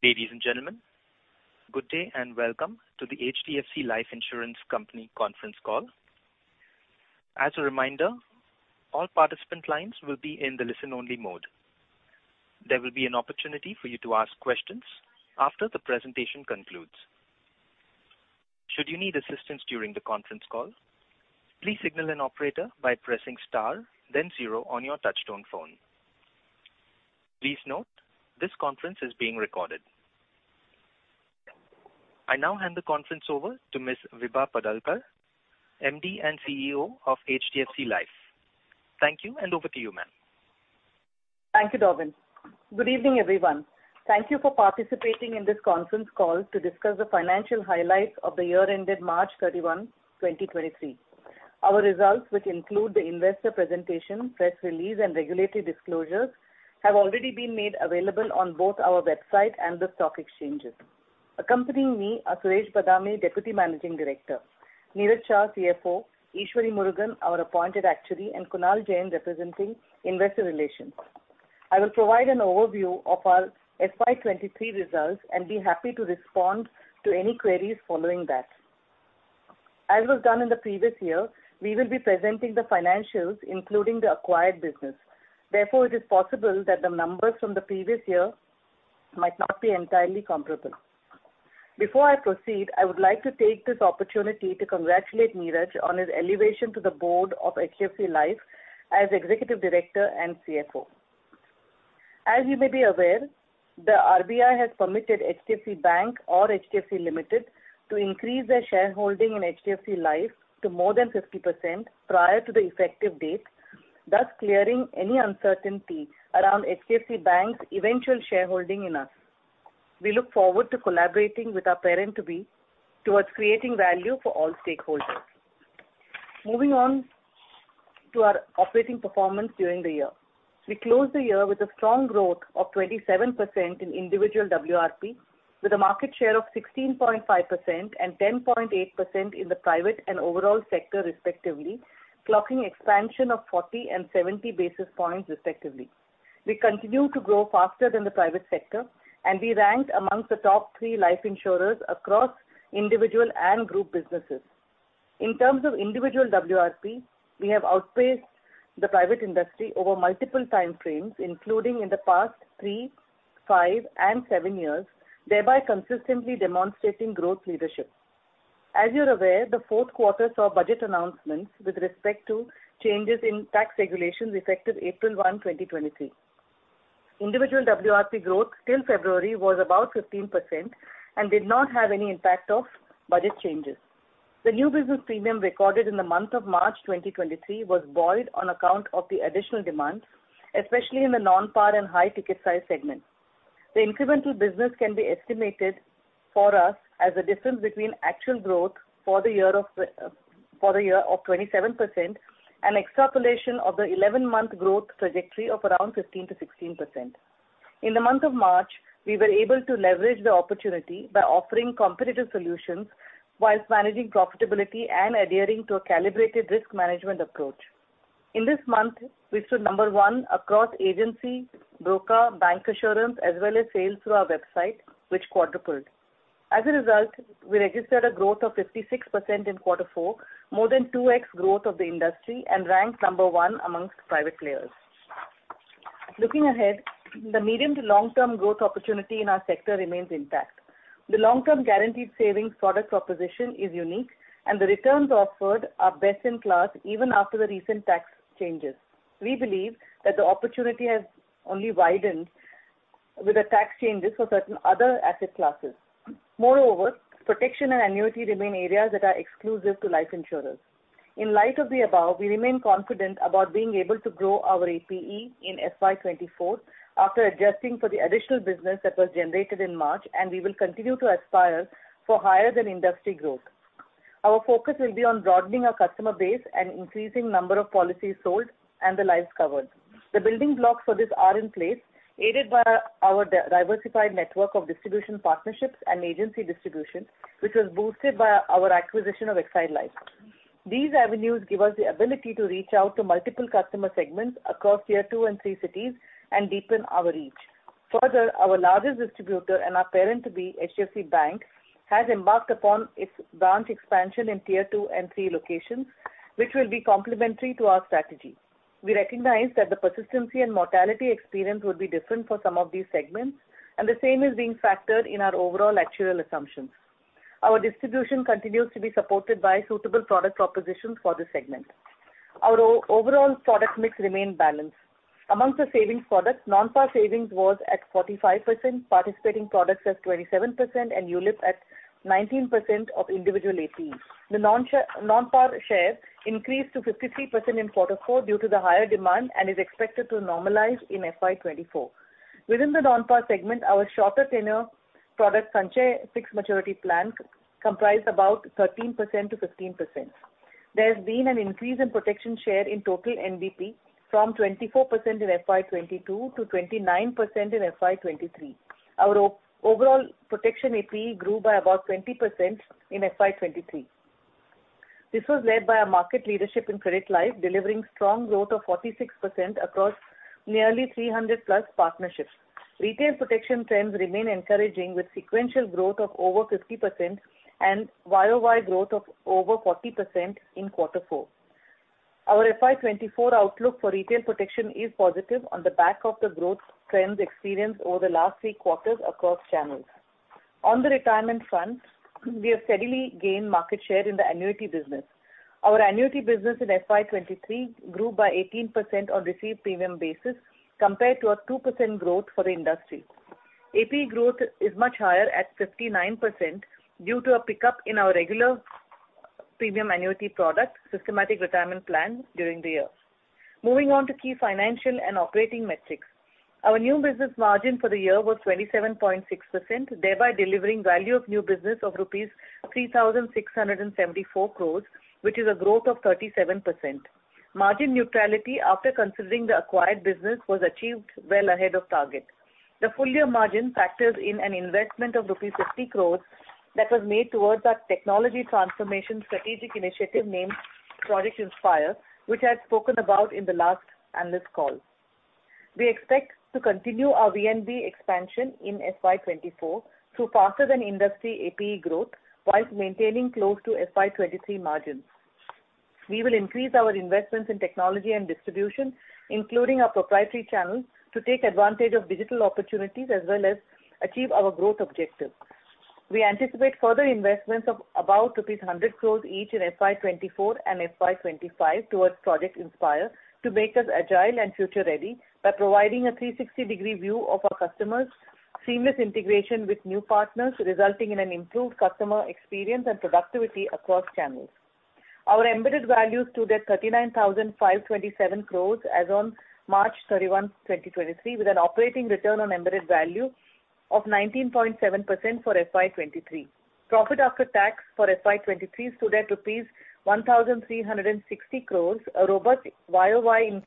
Ladies and gentlemen, good day and welcome to the HDFC Life Insurance Company conference call. As a reminder, all participant lines will be in the listen-only mode. There will be an opportunity for you to ask questions after the presentation concludes. Should you need assistance during the conference call, please signal an operator by pressing star then zero on your touchtone phone. Please note, this conference is being recorded. I now hand the conference over to Ms. Vibha Padalkar, MD and CEO of HDFC Life. Thank you. Over to you, ma'am. Thank you, Robin. Good evening, everyone. Thank you for participating in this conference call to discuss the financial highlights of the year ended March 31, 2023. Our results, which include the investor presentation, press release, and regulatory disclosures, have already been made available on both our website and the stock exchanges. Accompanying me are Suresh Badami, Deputy Managing Director, Niraj Shah, CFO, Eshwari Murugan, our Appointed Actuary, and Kunal Jain, representing Investor Relations. I will provide an overview of our FY 2023 results and be happy to respond to any queries following that. As was done in the previous year, we will be presenting the financials, including the acquired business. Therefore, it is possible that the numbers from the previous year might not be entirely comparable. Before I proceed, I would like to take this opportunity to congratulate Niraj on his elevation to the board of HDFC Life as Executive Director and CFO. As you may be aware, the RBI has permitted HDFC Bank or HDFC Limited to increase their shareholding in HDFC Life to more than 50% prior to the effective date, thus clearing any uncertainty around HDFC Bank's eventual shareholding in us. We look forward to collaborating with our parent-to-be towards creating value for all stakeholders. Moving on to our operating performance during the year. We closed the year with a strong growth of 27% in individual WRP, with a market share of 16.5% and 10.8% in the private and overall sector, respectively, clocking expansion of 40 and 70 basis points, respectively. We continue to grow faster than the private sector and we ranked among the top three life insurers across individual and group businesses. In terms of individual WRP, we have outpaced the private industry over multiple time frames, including in the past three, five, and seven years, thereby consistently demonstrating growth leadership. As you're aware, the fourth quarter saw budget announcements with respect to changes in tax regulations effective April 1, 2023. Individual WRP growth till February was about 15% and did not have any impact of budget changes. The new business premium recorded in the month of March 2023 was boiled on account of the additional demand, especially in the non-par and high ticket size segment. The incremental business can be estimated for us as the difference between actual growth for the year of 27% and extrapolation of the 11-month growth trajectory of around 15%-16%. In the month of March, we were able to leverage the opportunity whilst offering competitive solutions managing profitability and adhering to a calibrated risk management approach. In this month, we stood number one across agency, broker, bancassurance, as well as sales through our website, which quadrupled. As a result, we registered a growth of 56% in quarter four, more than 2x growth of the industry and ranked number one amongst private players. Looking ahead, the medium-to-long-term growth opportunity in our sector remains intact. The long-term guaranteed savings product proposition is unique and the returns offered are best-in-class even after the recent tax changes. We believe that the opportunity has only widened with the tax changes for certain other asset classes. Protection and annuity remain areas that are exclusive to life insurers. In light of the above, we remain confident about being able to grow our APE in FY 2024 after adjusting for the additional business that was generated in March. We will continue to aspire for higher than industry growth. Our focus will be on broadening our customer base and increasing number of policies sold and the lives covered. The building blocks for this are in place, aided by our diversified network of distribution partnerships and agency distribution, which was boosted by our acquisition of Exide Life. These avenues give us the ability to reach out to multiple customer segments across Tier 2 and 3 cities and deepen our reach. Our largest distributor and our parent-to-be, HDFC Bank, has embarked upon its branch expansion in Tier 2 and three locations, which will be complementary to our strategy. We recognize that the persistency and mortality experience would be different for some of these segments, and the same is being factored in our overall actuarial assumptions. Our distribution continues to be supported by suitable product propositions for this segment. Our overall product mix remain balanced. Amongst the savings products, non-par savings was at 45%, participating products at 27%, and ULIP at 19% of individual APEs. The non-par share increased to 53% in quarter four due to the higher demand and is expected to normalize in FY 2024. Within the non-par segment, our shorter tenure product, Sanchay Fixed Maturity Plan, comprised about 13%-15%. There's been an increase in protection share in total NBP from 24% in FY 2022 to 29% in FY 2023. Our overall protection APE grew by about 20% in FY 2023. This was led by a market leadership in Credit Life, delivering strong growth of 46% across nearly 300+ partnerships. Retail protection trends remain encouraging, with sequential growth of over 50% and Y-o-Y growth of over 40% in quarter four. Our FY 2024 outlook for retail protection is positive on the back of the growth trends experienced over the last three quarters across channels. On the retirement front, we have steadily gained market share in the annuity business. Our annuity business in FY 2023 grew by 18% on received premium basis compared to a 2% growth for the industry. APE growth is much higher at 59% due to a pickup in our regular premium annuity product, Systematic Retirement Plan during the year. Moving on to key financial and operating metrics. Our new business margin for the year was 27.6%, thereby delivering value of new business of rupees 3,674 crores, which is a growth of 37%. Margin neutrality after considering the acquired business was achieved well ahead of target. The full year margin factors in an investment of rupees 60 crores that was made towards our technology transformation strategic initiative named Project Inspire, which I had spoken about in the last analyst call. We expect to continue our VNB expansion in FY 2024 through faster than industry APE growth while maintaining close to FY 2023 margins. We will increase our investments in technology and distribution, including our proprietary channels, to take advantage of digital opportunities as well as achieve our growth objectives. We anticipate further investments of about rupees 100 crores each in FY 2024 and FY 2025 towards Project Inspire to make us agile and future-ready by providing a 360-degree view of our customers, seamless integration with new partners, resulting in an improved customer experience and productivity across channels. Our embedded values stood at 39,527 crores as on March 31, 2023, with an operating return on embedded value of 19.7% for FY 2023. Profit after tax for FY 2023 stood at rupees 1,360 crores, a robust Y-o-Y increase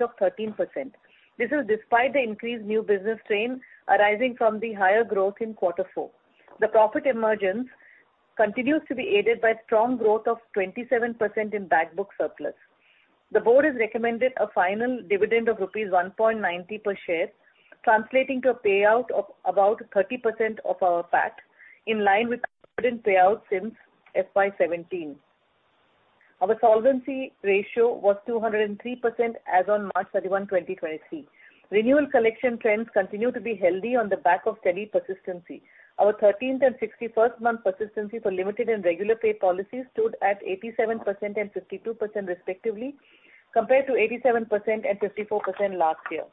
of 13%. This is despite the increased new business strain arising from the higher growth in quarter four. The profit emergence continues to be aided by strong growth of 27% in back book surplus. The board has recommended a final dividend of rupees 1.90 per share, translating to a payout of about 30% of our PAT, in line with our dividend payout since FY 2017. Our solvency ratio was 203% as on March 31, 2023. Renewal collection trends continue to be healthy on the back of steady persistency. Our 13th and 61st month persistency for limited and regular pay policies stood at 87% and 52% respectively, compared to 87% and 54% last year.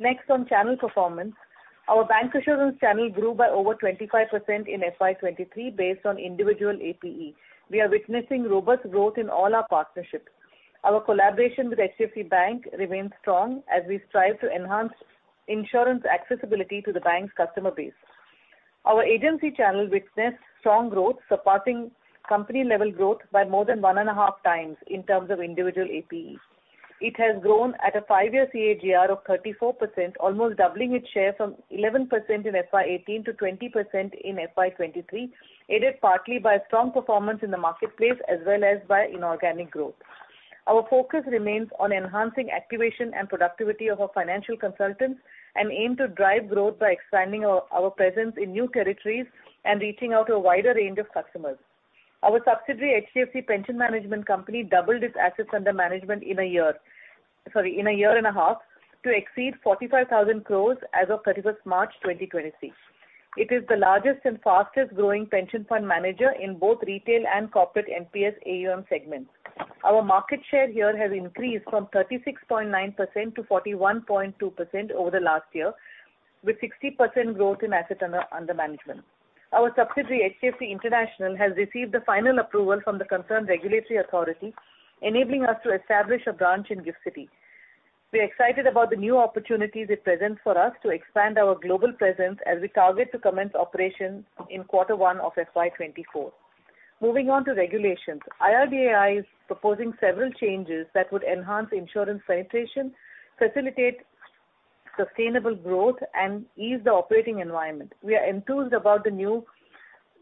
Next on channel performance. Our bancassurance channel grew by over 25% in FY 2023 based on individual APE. We are witnessing robust growth in all our partnerships. Our collaboration with HDFC Bank remains strong as we strive to enhance insurance accessibility to the bank's customer base. Our agency channel witnessed strong growth, surpassing company-level growth by more than one and a half times in terms of individual APE. It has grown at a five year CAGR of 34%, almost doubling its share from 11% in FY 2018 to 20% in FY 2023, aided partly by strong performance in the marketplace as well as by inorganic growth. Our focus remains on enhancing activation and productivity of our financial consultants and aim to drive growth by expanding our presence in new territories and reaching out to a wider range of customers. Our subsidiary, HDFC Pension Management Company, doubled its assets under management in a year and a half, to exceed 45,000 crore as of March 31, 2023. It is the largest and fastest growing pension fund manager in both retail and corporate NPS AUM segments. Our market share here has increased from 36.9% to 41.2% over the last year, with 60% growth in asset under management. Our subsidiary, HDFC International, has received the final approval from the concerned regulatory authority, enabling us to establish a branch in Gift City. We are excited about the new opportunities it presents for us to expand our global presence as we target to commence operations in quarter one of FY 2024. Moving on to regulations. IRDAI is proposing several changes that would enhance insurance penetration, facilitate sustainable growth and ease the operating environment. We are enthused about the new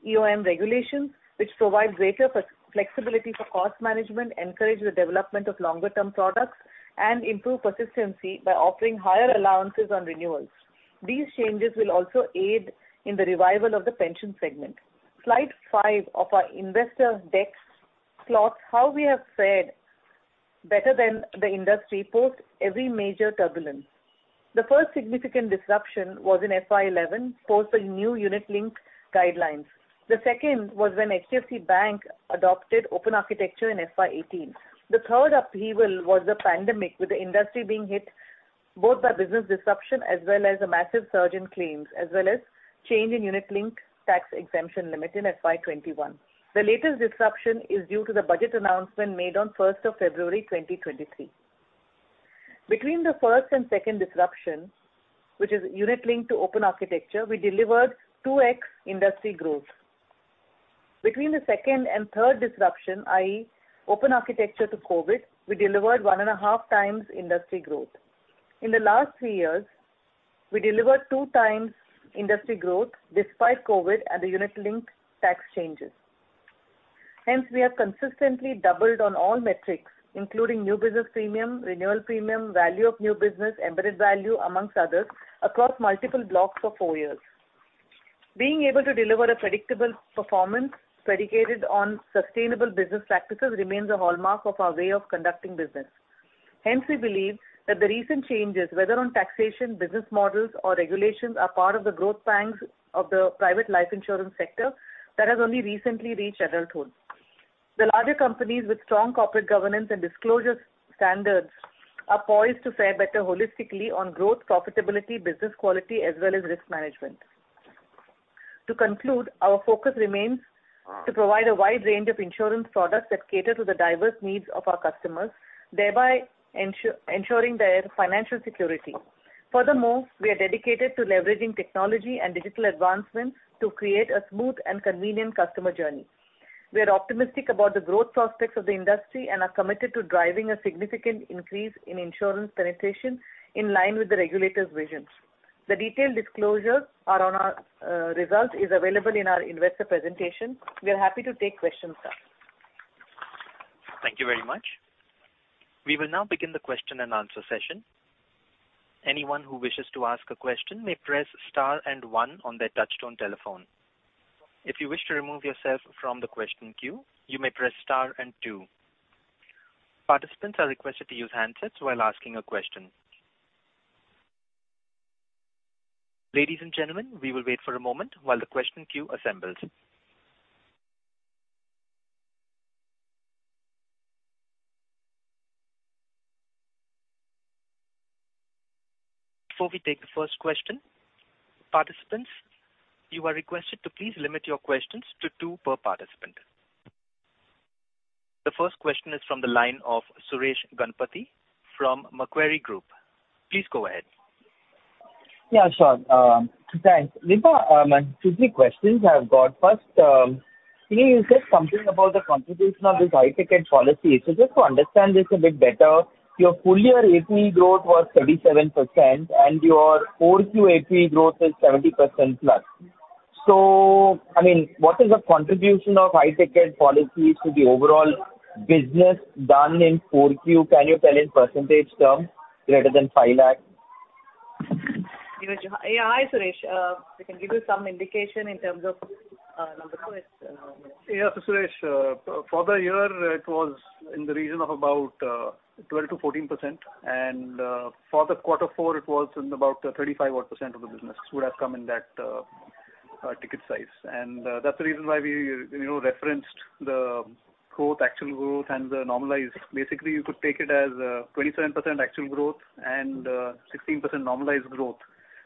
EOM regulations, which provide greater flexibility for cost management, encourage the development of longer-term products, and improve persistency by offering higher allowances on renewals. These changes will also aid in the revival of the pension segment. Slide five of our investor deck plots how we have fared better than the industry post every major turbulence. The 1st significant disruption was in FY 2011, post the new unit-linked guidelines. The 2nd was when HDFC Bank adopted open architecture in FY 2018. The 3rd upheaval was the pandemic, with the industry being hit both by business disruption as well as a massive surge in claims, as well as change in unit-linked tax exemption limit in FY 2021. The latest disruption is due to the budget announcement made on 1st of February 2023. Between the 1st and 2nd disruption, which is unit-linked to open architecture, we delivered 2x industry growth. Between the 2nd and 3rd disruption, i.e., open architecture to COVID, we delivered one and a half times industry growth. In the last three years, we delivered two times industry growth despite COVID and the unit-linked tax changes. We have consistently doubled on all metrics, including new business premium, renewal premium, value of new business, embedded value, amongst others, across multiple blocks for four years. Being able to deliver a predictable performance predicated on sustainable business practices remains a hallmark of our way of conducting business. We believe that the recent changes, whether on taxation, business models, or regulations, are part of the growth pangs of the private life insurance sector that has only recently reached adulthood. The larger companies with strong corporate governance and disclosure standards are poised to fare better holistically on growth, profitability, business quality, as well as risk management. To conclude, our focus remains to provide a wide range of insurance products that cater to the diverse needs of our customers, thereby ensuring their financial security. Furthermore, we are dedicated to leveraging technology and digital advancements to create a smooth and convenient customer journey. We are optimistic about the growth prospects of the industry and are committed to driving a significant increase in insurance penetration in line with the regulator's visions. The detailed disclosures are on our, result is available in our investor presentation. We are happy to take questions now. Thank you very much. We will now begin the question-and-answer session. Anyone who wishes to ask a question may press star and one on their touchtone telephone. If you wish to remove yourself from the question queue, you may press star and two. Participants are requested to use handsets while asking a question. Ladies and gentlemen, we will wait for a moment while the question queue assembles. Before we take the first question, participants, you are requested to please limit your questions to two per participant. The first question is from the line of Suresh Ganapathy from Macquarie Group. Please go ahead. Yeah, sure. Thanks. Vibha, actually three questions I've got. First, can you say something about the contribution of this high-ticket policy? Just to understand this a bit better, your full year APE growth was 37% and your 4Q APE growth is 70%+. I mean, what is the contribution of high-ticket policies to the overall business done in 4Q? Can you tell in percentage terms greater than 5 lakh? Yeah. Hi, Suresh. I can give you some indication in terms of number. It's Yeah. Suresh, for the year it was in the region of about 12%-14% and for the quarter four it was in about 35% odd of the business would have come in that ticket size. That's the reason why we, you know, referenced the growth, actual growth and the normalized. Basically, you could take it as 27% actual growth and 16% normalized growth.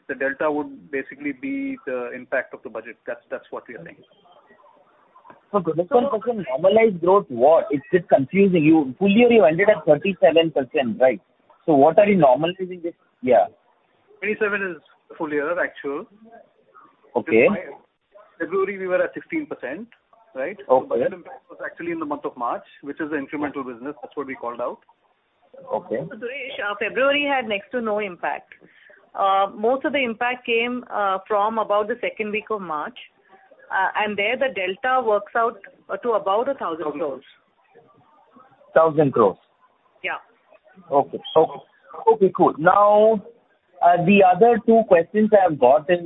The delta would basically be the impact of the budget. That's what we are saying. Ganapathy, for the normalized growth what? It's just confusing. Full year you ended at 37%, right? What are you normalizing it? Yeah. 27 is the full year actual. Okay. February we were at 16%, right? Okay. The budget impact was actually in the month of March, which is the incremental business. That's what we called out. Okay. Suresh, February had next to no impact. Most of the impact came from about the second week of March. There the delta works out to about 1,000 crores. Okay. 1,000 crores? Yeah. Okay. Okay, cool. Now, the other two questions I have got is,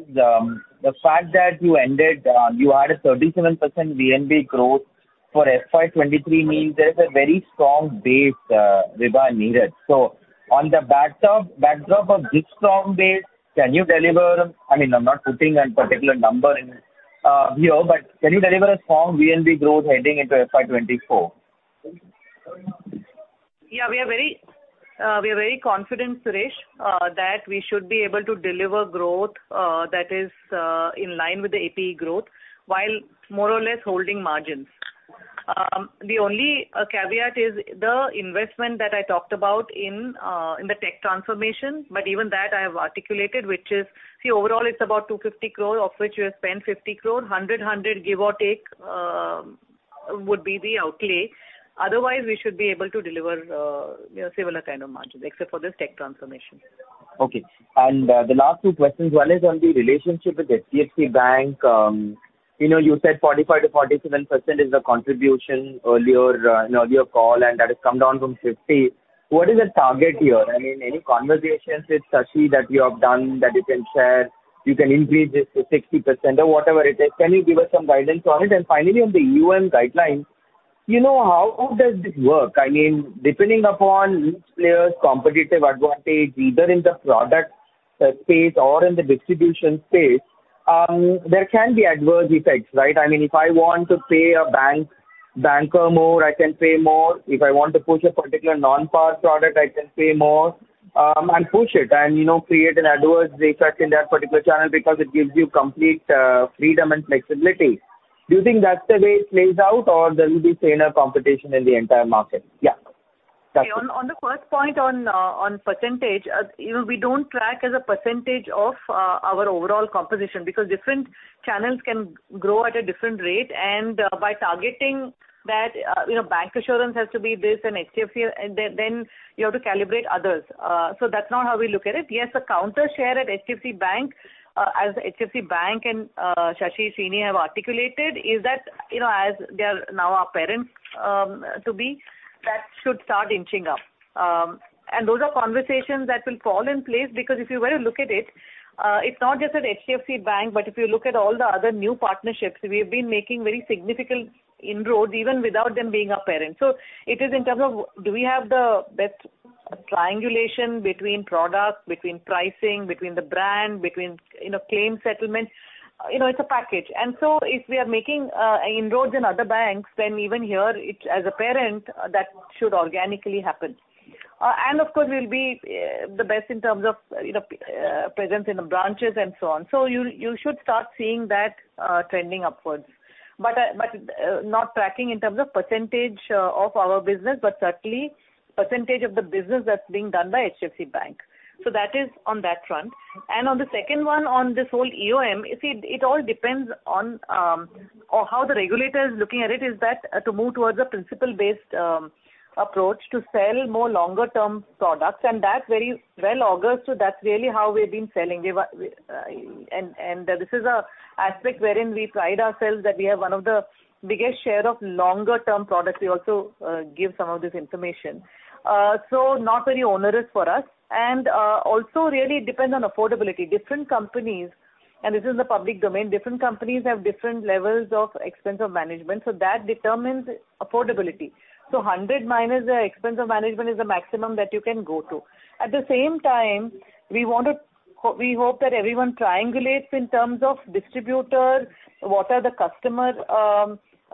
the fact that you ended, you had a 37% VNB growth for FY 2023 means there is a very strong base, Vibha and Niraj. On the backdrop of this strong base, can you deliver, I mean, I'm not putting a particular number in here, but can you deliver a strong VNB growth heading into FY 2024? We are very confident, Suresh, that we should be able to deliver growth that is in line with the APE growth while more or less holding margins. The only caveat is the investment that I talked about in the tech transformation. Even that I have articulated, which is, see overall it's about 250 crore of which we have spent 50 crore. 100 crore give or take would be the outlay. We should be able to deliver, you know, similar kind of margins except for this tech transformation. Okay. The last two questions. One is on the relationship with HDFC Bank. You know, you said 45%-47% is the contribution earlier, in earlier call, and that has come down from 50%. What is the target here? I mean, any conversations with Sashi that you have done that you can share, you can increase it to 60% or whatever it is. Can you give us some guidance on it? Finally, on the EOM guidelines, you know, how does this work? I mean, depending upon each player's competitive advantage, either in the product space or in the distribution space, there can be adverse effects, right? I mean, if I want to pay a banker more, I can pay more. If I want to push a particular non-par product, I can pay more, and push it and, you know, create an adverse effect in that particular channel because it gives you complete freedom and flexibility. Do you think that's the way it plays out or there will be fair competition in the entire market? Yeah. On the first point on percentage, you know, we don't track as a percentage of our overall composition because different channels can grow at a different rate. By targeting that, you know, bank assurance has to be this and HDFC, then you have to calibrate others. That's not how we look at it. Yes, the counter share at HDFC Bank, as HDFC Bank and Sashidhar have articulated is that, you know, as they are now our parents, to be, that should start inching up. Those are conversations that will fall in place because if you were to look at it's not just at HDFC Bank, but if you look at all the other new partnerships, we have been making very significant inroads even without them being our parents. It is in terms of do we have the best triangulation between products, between pricing, between the brand, between claim settlements. It's a package. If we are making inroads in other banks, then even here it's as a parent that should organically happen. Of course we'll be the best in terms of presence in the branches and so on. You should start seeing that trending upwards. But not tracking in terms of percentage of our business, but certainly percentage of the business that's being done by HDFC Bank. That is on that front. On the second one on this whole EOM, you see it all depends on, or how the regulator is looking at it is that to move towards a principle-based approach to sell more longer term products, and that's very well August. That's really how we've been selling. We were, and this is a aspect wherein we pride ourselves that we have one of the biggest share of longer term products. We also give some of this information. Not very onerous for us and also really depends on affordability. Different companies, and this is in the public domain, different companies have different levels of expense of management, so that determines affordability. 100- the expense of management is the maximum that you can go to. At the same time, we hope that everyone triangulates in terms of distributor, what are the customer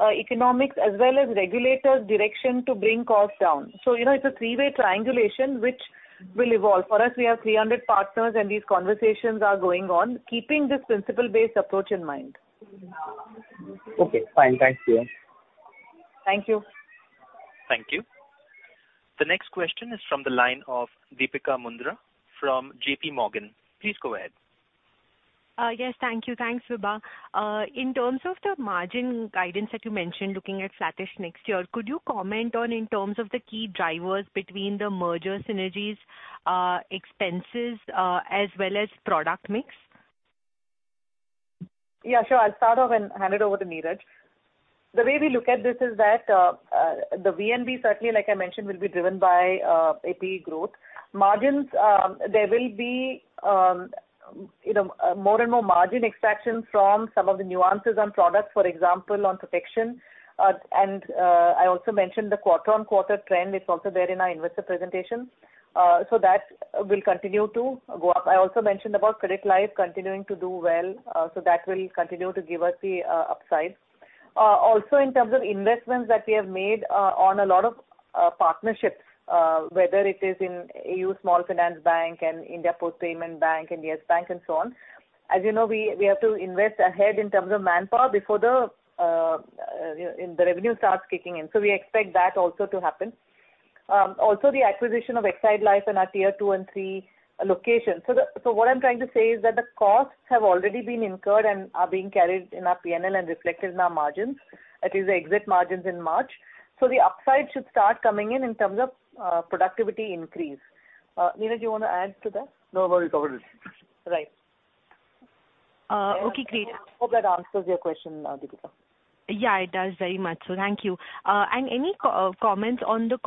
economics as well as regulators direction to bring costs down. you know, it's a 3-way triangulation which will evolve. For us, we have 300 partners and these conversations are going on, keeping this principle-based approach in mind. Okay, fine. Thanks, Vibha. Thank you. Thank you. The next question is from the line of Deepika Mundra from JPMorgan. Please go ahead. Yes, thank you. Thanks, Vibha. In terms of the margin guidance that you mentioned, looking at flattish next year, could you comment on in terms of the key drivers between the merger synergies, expenses, as well as product mix? Yeah, sure. I'll start off and hand it over to Niraj. The way we look at this is that the VNB certainly like I mentioned, will be driven by APE growth. Margins, there will be, you know, more and more margin extraction from some of the nuances on products, for example, on protection. I also mentioned the quarter-on-quarter trend. It's also there in our investor presentation. That will continue to go up. I also mentioned about Credit Life continuing to do well. That will continue to give us the upside. Also in terms of investments that we have made on a lot of partnerships, whether it is in AU Small Finance Bank and India Post Payments Bank and YES BANK and so on. As you know, we have to invest ahead in terms of manpower before the, you know, the revenue starts kicking in. We expect that also to happen. Also the acquisition of Exide Life in our Tier 2 and 3 locations. What I'm trying to say is that the costs have already been incurred and are being carried in our P&L and reflected in our margins. That is the exit margins in March. The upside should start coming in in terms of productivity increase. Niraj, do you want to add to that? No, you covered it. Right. Okay, great. Hope that answers your question, Deepika. Yeah, it does very much so. Thank you. Any co-comments on the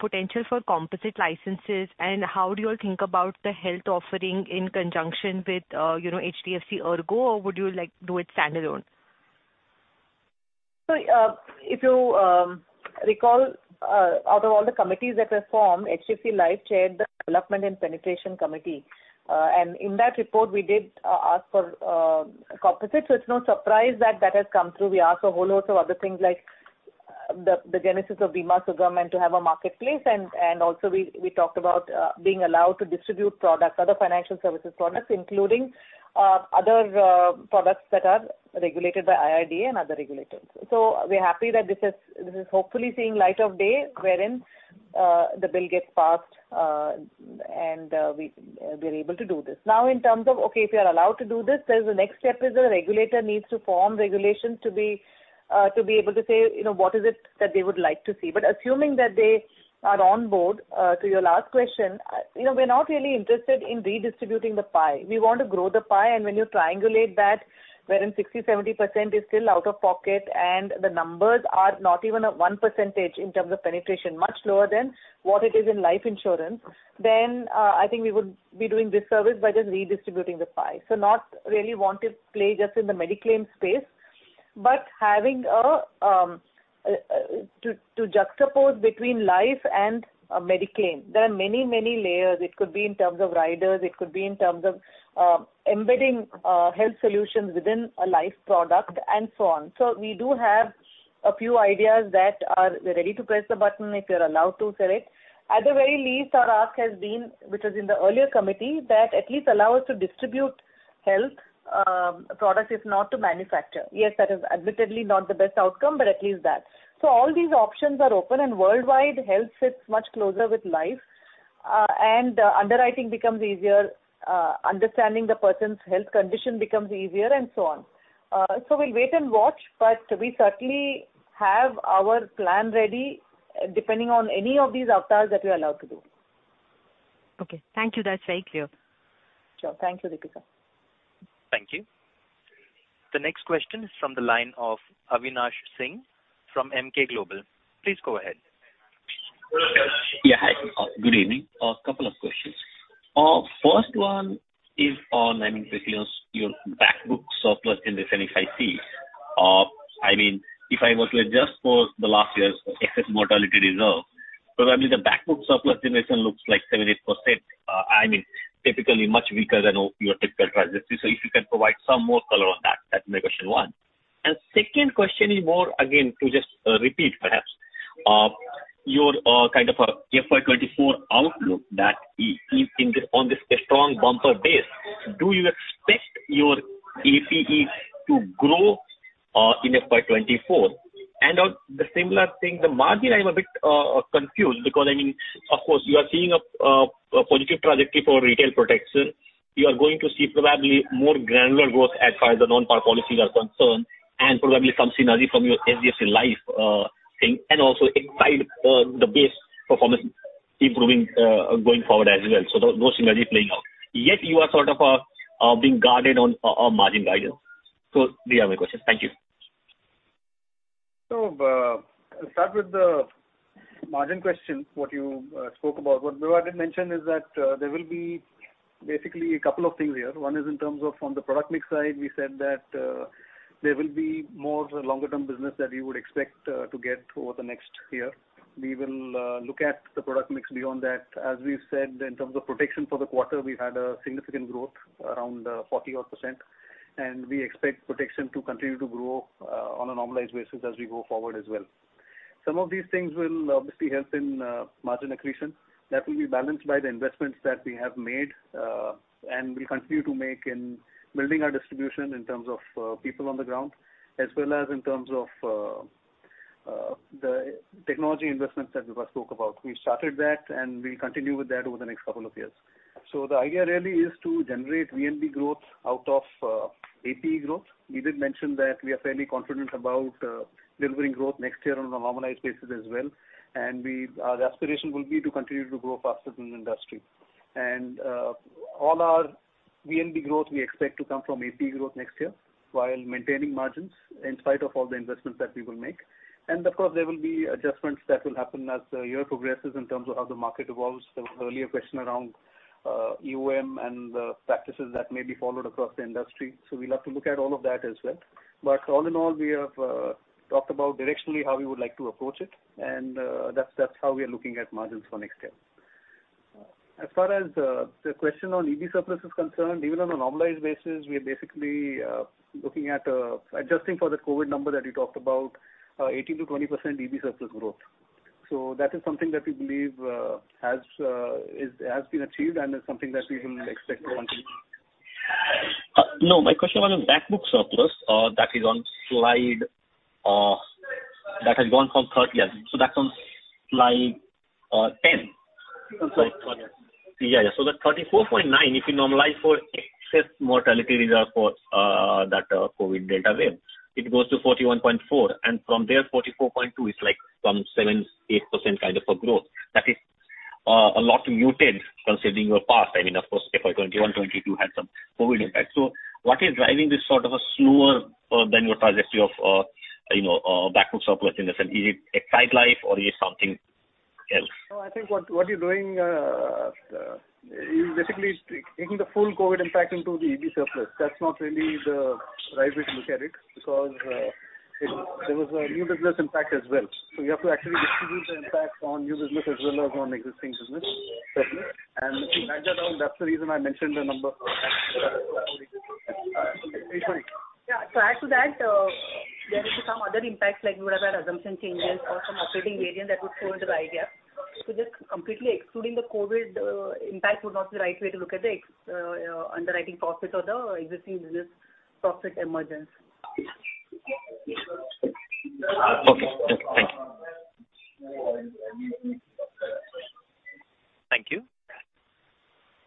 potential for composite licenses, and how do you all think about the health offering in conjunction with, you know, HDFC ERGO, or would you like do it standalone? If you recall, out of all the committees that were formed, HDFC Life chaired the Development and Penetration Committee. In that report we did ask for composite. It's no surprise that that has come through. We ask a whole lot of other things like the genesis of Bima Sugam and to have a marketplace and also we talked about being allowed to distribute products, other financial services products, including other products that are regulated by IRDAI and other regulators. We're happy that this is hopefully seeing light of day wherein the bill gets passed and we're able to do this. In terms of, okay, if you're allowed to do this, there's the next step is the regulator needs to form regulations to be able to say, you know, what is it that they would like to see. Assuming that they are on board, to your last question, you know, we're not really interested in redistributing the pie. We want to grow the pie. When you triangulate that wherein 60%-70% is still out of pocket and the numbers are not even at 1% in terms of penetration, much lower than what it is in life insurance, I think we would be doing disservice by just redistributing the pie. Not really want to play just in the mediclaim space, but having a to juxtapose between life and a mediclaim. There are many layers. It could be in terms of riders, it could be in terms of, embedding, health solutions within a life product and so on. We do have a few ideas that are ready to press the button if you're allowed to, correct. At the very least, our ask has been, which was in the earlier committee, that at least allow us to distribute health, products if not to manufacture. Yes, that is admittedly not the best outcome, but at least that. All these options are open and worldwide health sits much closer with life. Underwriting becomes easier, understanding the person's health condition becomes easier, and so on. We'll wait and watch, but we certainly have our plan ready depending on any of these avatars that we're allowed to do. Okay. Thank you. That's very clear. Sure. Thank you, Deepika. Thank you. The next question is from the line of Avinash Singh from Emkay Global. Please go ahead. Hi. Good evening. A couple of questions. First one is on, I mean, basically your back book surplus in the SNAC. I mean, if I were to adjust for the last year's excess mortality reserve, probably the back book surplus generation looks like 78%. I mean, typically much weaker than your typical trajectory. If you can provide some more color on that's my question one. Second question is more again, to just repeat perhaps your kind of a FY 2024 outlook that on this strong bumper base, do you expect your APE to grow in FY 2024? On the similar thing, the margin, I'm a bit confused because, I mean, of course you are seeing a positive trajectory for retail protection. You are going to see probably more granular growth as far as the non-par policies are concerned, and probably some synergy from your HDFC Life, thing, and also Exide Life, the base performance improving, going forward as well. Those synergies playing out. You are sort of, being guarded on margin guidance. They are my questions. Thank you. I'll start with the margin question, what you spoke about. What Vibha did mention is that there will be basically a couple of things here. One is in terms of on the product mix side, we said that there will be more longer term business that we would expect to get over the next year. We will look at the product mix beyond that. As we've said, in terms of protection for the quarter, we've had a significant growth around 40 odd percent, and we expect protection to continue to grow on a normalized basis as we go forward as well. Some of these things will obviously help in margin accretion. That will be balanced by the investments that we have made and will continue to make in building our distribution in terms of people on the ground, as well as in terms of the technology investments that Vibha spoke about. We started that, and we'll continue with that over the next couple of years. The idea really is to generate VNB growth out of APE growth. We did mention that we are fairly confident about delivering growth next year on a normalized basis as well. Our aspiration will be to continue to grow faster than the industry. All our VNB growth we expect to come from APE growth next year while maintaining margins in spite of all the investments that we will make. Of course, there will be adjustments that will happen as the year progresses in terms of how the market evolves. There was earlier question around EOM and the practices that may be followed across the industry. We'll have to look at all of that as well. All in all, we have talked about directionally how we would like to approach it, and that's how we are looking at margins for next year. As far as the question on EB surplus is concerned, even on a normalized basis, we are basically looking at adjusting for the COVID number that you talked about, 18%-20% EB surplus growth. That is something that we believe has been achieved and is something that we will expect to continue. No, my question was on back book surplus, that is on slide, that has gone from 30. That's on slide, 10. Sorry. Yeah. Yeah, yeah. That 34.9, if you normalize for excess mortality reserve for that COVID delta wave, it goes to 41.4, and from there, 44.2 is like some 7%-8% kind of a growth. That is a lot muted considering your past. I mean, of course, FY 2021, 2022 had some COVID impact. What is driving this sort of a slower than your trajectory of, you know, back book surplus in a sense? Is it Exide Life or is it something else? No, I think what you're doing is basically taking the full COVID impact into the EB surplus. That's not really the right way to look at it because there was a new business impact as well. You have to actually distribute the impact on new business as well as on existing business, certainly. If you back that down, that's the reason I mentioned the number. Yeah. To add to that, there will be some other impacts like we would have had assumption changes or some operating variance that would flow into the idea. Just completely excluding the COVID, impact would not be the right way to look at the ex- underwriting profits or the existing business profit emergence. Okay. Thank you. Thank you.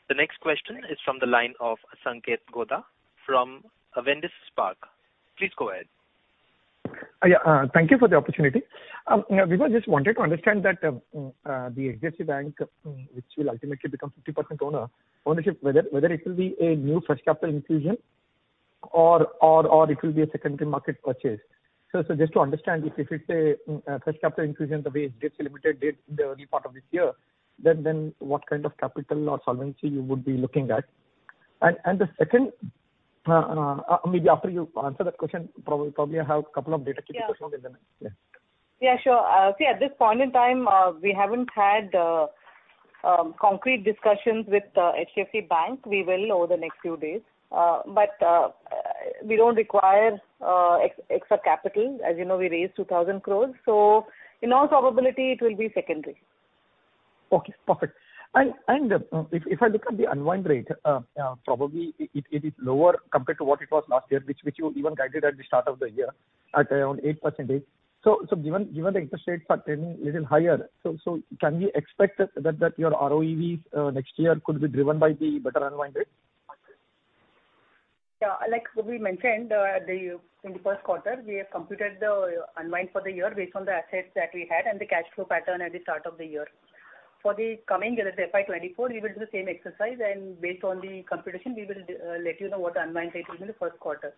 The next question is from the line of Sanketh Godha from Avendus Spark. Please go ahead. Thank you for the opportunity. Vibha, just wanted to understand that the HDFC Bank, which will ultimately become 50% ownership, whether it will be a new fresh capital infusion or it will be a secondary market purchase. Just to understand if it's a fresh capital infusion the way HDFC Limited did in the early part of this year, then what kind of capital or solvency you would be looking at? The second, maybe after you answer that question, probably I have a couple of data points as well in the next. Yeah, sure. See, at this point in time, we haven't had concrete discussions with HDFC Bank. We will over the next few days. We don't require extra capital. As you know, we raised 2,000 crores. In all probability, it will be secondary. Okay, perfect. If I look at the unwind rate, probably it is lower compared to what it was last year, which you even guided at the start of the year at around 8%. Given the interest rates are trending a little higher, can we expect that your ROEV next year could be driven by the better unwind rate? Like we mentioned, in the first quarter, we have completed the unwind for the year based on the assets that we had and the cash flow pattern at the start of the year. For the coming year, that's FY 2024, we will do the same exercise, and based on the computation, we will let you know what the unwind rate will be in the first quarter.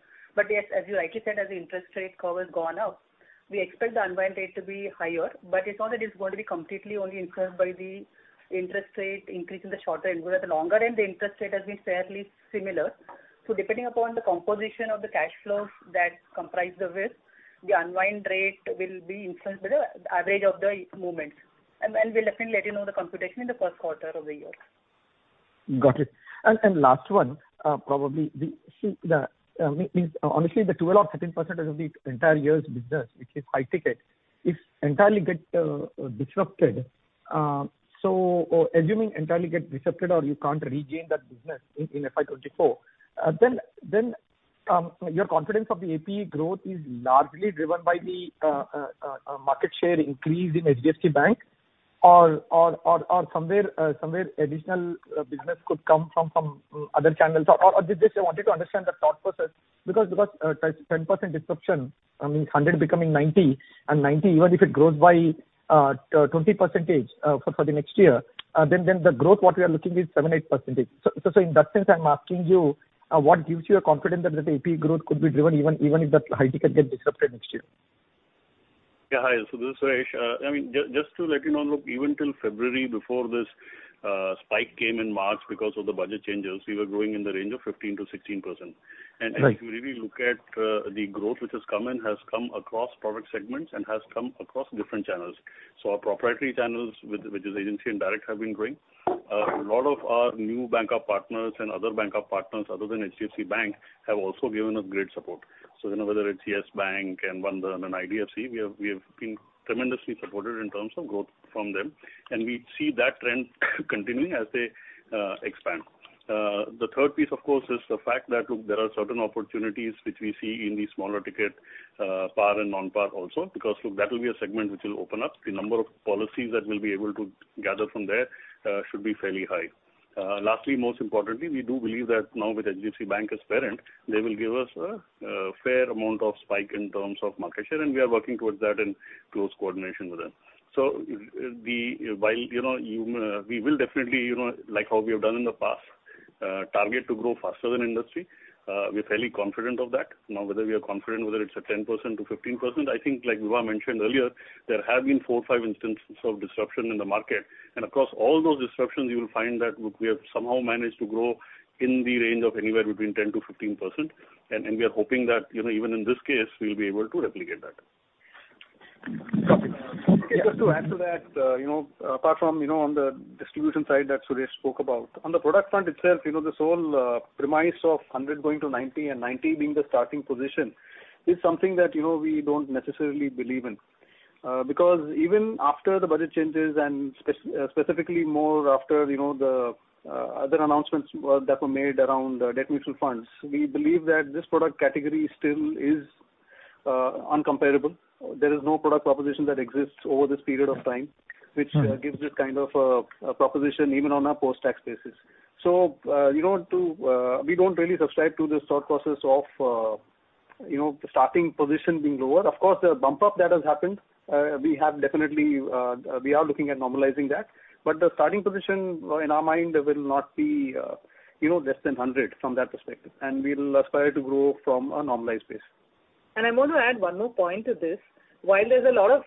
Yes, as you rightly said, as the interest rate curve has gone up, we expect the unwind rate to be higher, but it's not that it's going to be completely only influenced by the interest rate increase in the shorter end. Whereas the longer end, the interest rate has been fairly similar. Depending upon the composition of the cash flows that comprise the risk, the unwind rate will be influenced by the average of the movements. We'll definitely let you know the computation in the first quarter of the year. Got it. Last one, probably the, I mean, honestly, the 12% or 13% is of the entire year's business, which is high ticket, if entirely get disrupted. Assuming entirely get disrupted or you can't regain that business in FY 2024, then, your confidence of the APE growth is largely driven by the market share increase in HDFC Bank or somewhere additional business could come from other channels. Just I wanted to understand the thought process because, 10% disruption, I mean, 100 becoming 90 and 90, even if it grows by 20%, for the next year, then the growth what we are looking is 7%, 8%. In that sense, I'm asking you, what gives you a confidence that the APE growth could be driven even if that high ticket gets disrupted next year? Hi. This is Suresh. I mean, just to let you know, look, even till February before this spike came in March because of the budget changes, we were growing in the range of 15%-16%. Right. If you really look at the growth which has come in, has come across product segments and has come across different channels. Our proprietary channels which is agency and direct have been growing. A lot of our new banker partners and other banker partners other than HDFC Bank have also given us great support. You know, whether it's Yes Bank and Bandhan and IDFC, we have been tremendously supported in terms of growth from them, and we see that trend continuing as they expand. The third piece of course is the fact that, look, there are certain opportunities which we see in the smaller ticket, par and non-par also because, look, that will be a segment which will open up. The number of policies that we'll be able to gather from there should be fairly high. Lastly, most importantly, we do believe that now with HDFC Bank as parent, they will give us a fair amount of spike in terms of market share. We are working towards that in close coordination with them. While, you know, we will definitely, you know, like how we have done in the past, target to grow faster than industry. We're fairly confident of that. Whether we are confident whether it's a 10%-15%, I think like Vibha mentioned earlier, there have been four or five instances of disruption in the market. Across all those disruptions, you will find that, look, we have somehow managed to grow in the range of anywhere between 10%-15%. We are hoping that, you know, even in this case, we'll be able to replicate that. Copy. Just to add to that, you know, apart from, you know, on the distribution side that Suresh spoke about, on the product front itself, you know, this whole premise of 100 going to 90 and 90 being the starting position is something that, you know, we don't necessarily believe in. Because even after the budget changes and specifically more after, you know, the other announcements were, that were made around debt mutual funds, we believe that this product category still is incomparable. There is no product proposition that exists over this period of time. Mm-hmm. which gives this kind of a proposition even on a post-tax basis. You know, to, we don't really subscribe to this thought process of, you know, starting position being lower. Of course, the bump up that has happened, we have definitely, we are looking at normalizing that. The starting position in our mind will not be, you know, less than 100 from that perspective, and we'll aspire to grow from a normalized base. I want to add one more point to this. While there's a lot of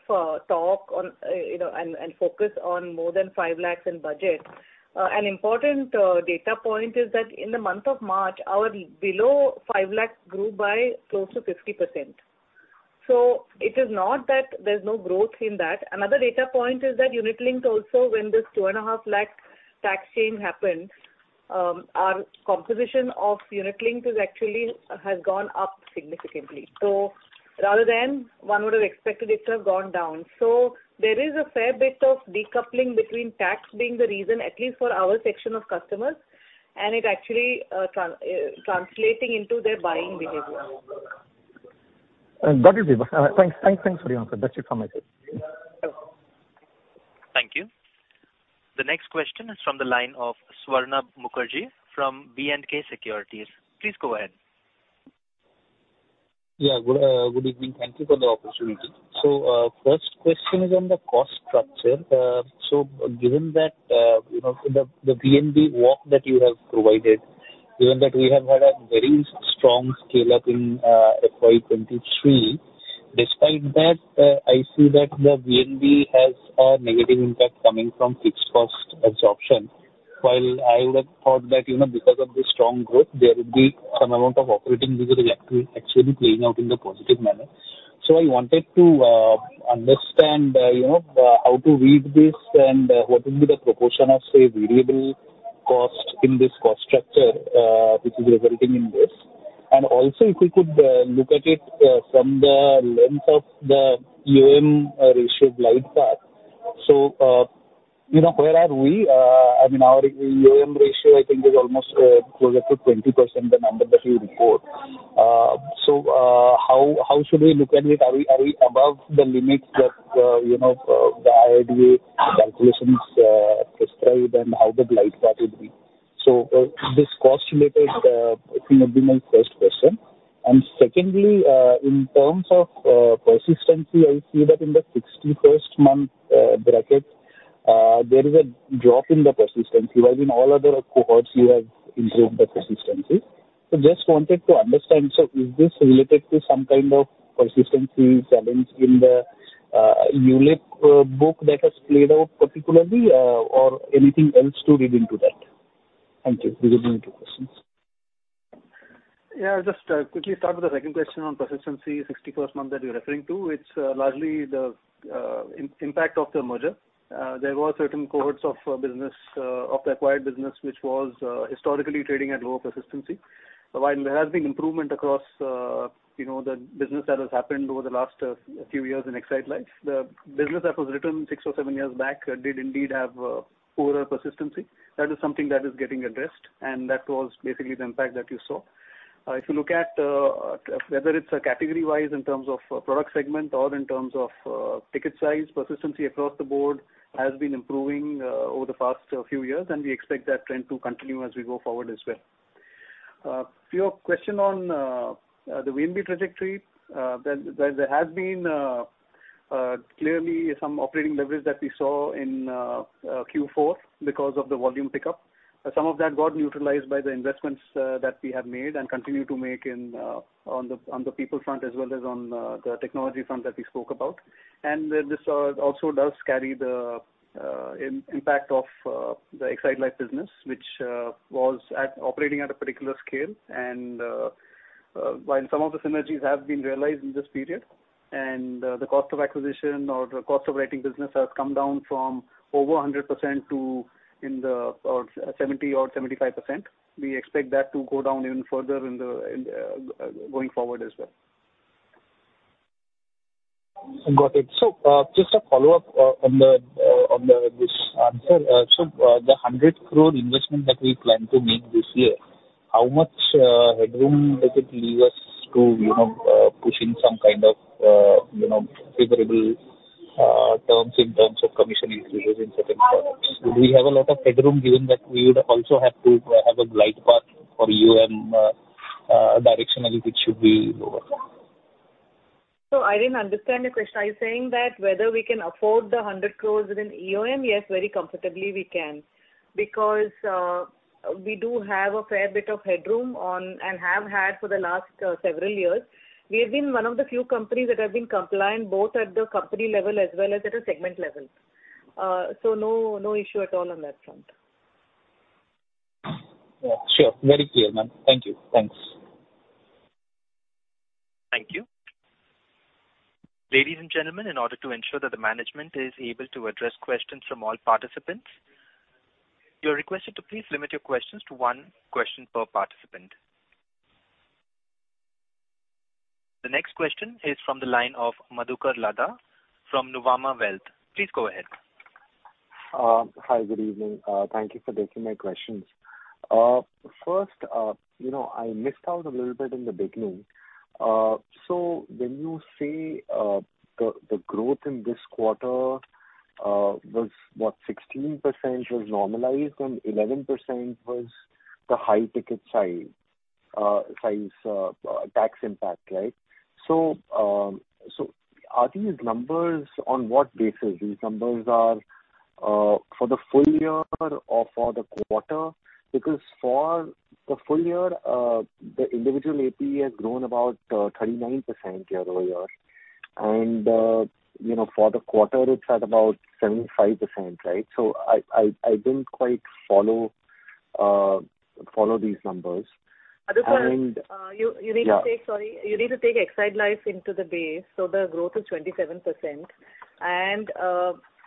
talk on, you know, and focus on more than 5 lakh in budget, an important data point is that in the month of March, our below 5 lakh grew by close to 50%. It is not that there's no growth in that. Another data point is that unit-linked also when this two and a half lakh tax change happened, our composition of unit-linked is actually has gone up significantly. Rather than one would have expected it to have gone down. There is a fair bit of decoupling between tax being the reason, at least for our section of customers, and it actually translating into their buying behavior. Got it, Vibha. Thanks for the answer. That's it from my side. Hello. Thank you. The next question is from the line of Swarnabha Mukherjee from B&K Securities. Please go ahead. Good, good evening. Thank you for the opportunity. First question is on the cost structure. Given that, you know, the VNB walk that you have provided, given that we have had a very strong scale-up in FY 2023, despite that, I see that the VNB has a negative impact coming from fixed cost absorption. While I would have thought that, you know, because of the strong growth, there would be some amount of operating leverage actually playing out in the positive manner. I wanted to understand, you know, how to read this and what will be the proportion of, say, variable cost in this cost structure, which is resulting in this. Also, if we could look at it from the length of the AUM ratio glide path. You know, where are we? I mean, our AUM ratio I think is almost closer to 20% the number that you report. How should we look at it? Are we above the limits that, you know, the IRDA calculations, right, and how the glide path would be. This cost related, you know, be my first question. Secondly, in terms of persistency, I see that in the 61st month bracket, there is a drop in the persistency, whereas in all other cohorts you have improved the persistency. Just wanted to understand, is this related to some kind of persistency challenge in the ULIP book that has played out particularly, or anything else to read into that? Thank you. These are my two questions. I'll just quickly start with the second question on persistency 61st month that you're referring to. It's largely the impact of the merger. There were certain cohorts of business of the acquired business which was historically trading at lower persistency. While there has been improvement across, you know, the business that has happened over the last few years in Exide Life, the business that was written six or seven years back did indeed have poorer persistency. That is something that is getting addressed, that was basically the impact that you saw. If you look at whether it's category-wise in terms of product segment or in terms of ticket size, persistency across the board has been improving over the past few years, we expect that trend to continue as we go forward as well. To your question on the VNB trajectory, there has been clearly some operating leverage that we saw in Q4 because of the volume pickup. Some of that got neutralized by the investments that we have made and continue to make in on the people front as well as on the technology front that we spoke about. This also does carry the impact of the Exide Life business, which was at operating at a particular scale. While some of the synergies have been realized in this period and the cost of acquisition or the cost of writing business has come down from over 100% to 70% or 75%, we expect that to go down even further in the going forward as well. Got it. Just a follow-up, on the, on the, this answer. The 100 crore investment that we plan to make this year, how much headroom does it leave us to, you know, push in some kind of, you know, favorable terms in terms of commissioning reuse in certain products? Do we have a lot of headroom given that we would also have to have a glide path for EOM, directionally which should be lower? I didn't understand your question. Are you saying that whether we can afford the 100 crores within EOM? Yes, very comfortably we can because we do have a fair bit of headroom on and have had for the last several years. We have been one of the few companies that have been compliant both at the company level as well as at a segment level. no issue at all on that front. Yeah, sure. Very clear, ma'am. Thank you. Thanks. Thank you. Ladies and gentlemen, in order to ensure that the management is able to address questions from all participants, you are requested to please limit your questions to one question per participant. The next question is from the line of Madhukar Ladha from Nuvama Wealth. Please go ahead. Hi, good evening. Thank you for taking my questions. First, you know, I missed out a little bit in the beginning. When you say the growth in this quarter was what 16% was normalized and 11% was the high ticket size tax impact, right? Are these numbers on what basis these numbers are for the full year or for the quarter? Because for the full year, the individual APE has grown about 39% year-over-year. You know, for the quarter it's at about 75%, right? I didn't quite follow these numbers. Madhukar- Yeah. You need to take Exide Life into the base. The growth is 27%.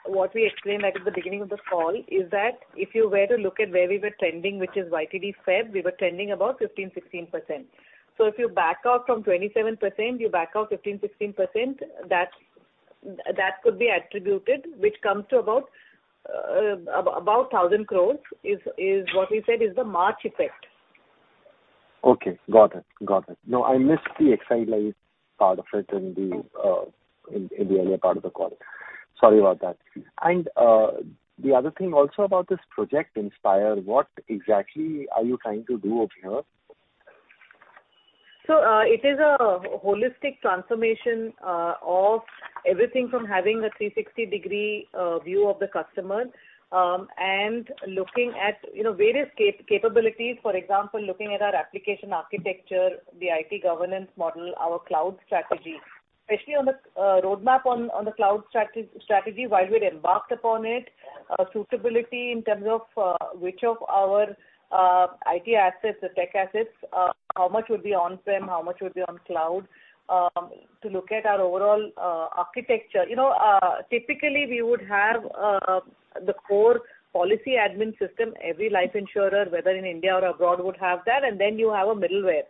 What we explained right at the beginning of the call is that if you were to look at where we were trending, which is YTD Feb, we were trending about 15%, 16%. If you back out from 27%, you back out 15%, 16%, that could be attributed, which comes to about 1,000 crores is what we said is the March effect. Okay. Got it. Got it. I missed the Exide Life part of it in the earlier part of the call. Sorry about that. The other thing also about this Project Inspire, what exactly are you trying to do over here? It is a holistic transformation of everything from having a 360 degree view of the customer, and looking at, you know, various capabilities. For example, looking at our application architecture, the IT governance model, our cloud strategy, especially on the roadmap on the cloud strategy, why we'd embarked upon it, suitability in terms of which of our IT assets, the tech assets, how much would be on-prem, how much would be on cloud, to look at our overall architecture. You know, typically we would have the core policy admin system every life insurer, whether in India or abroad would have that, and then you have a middleware.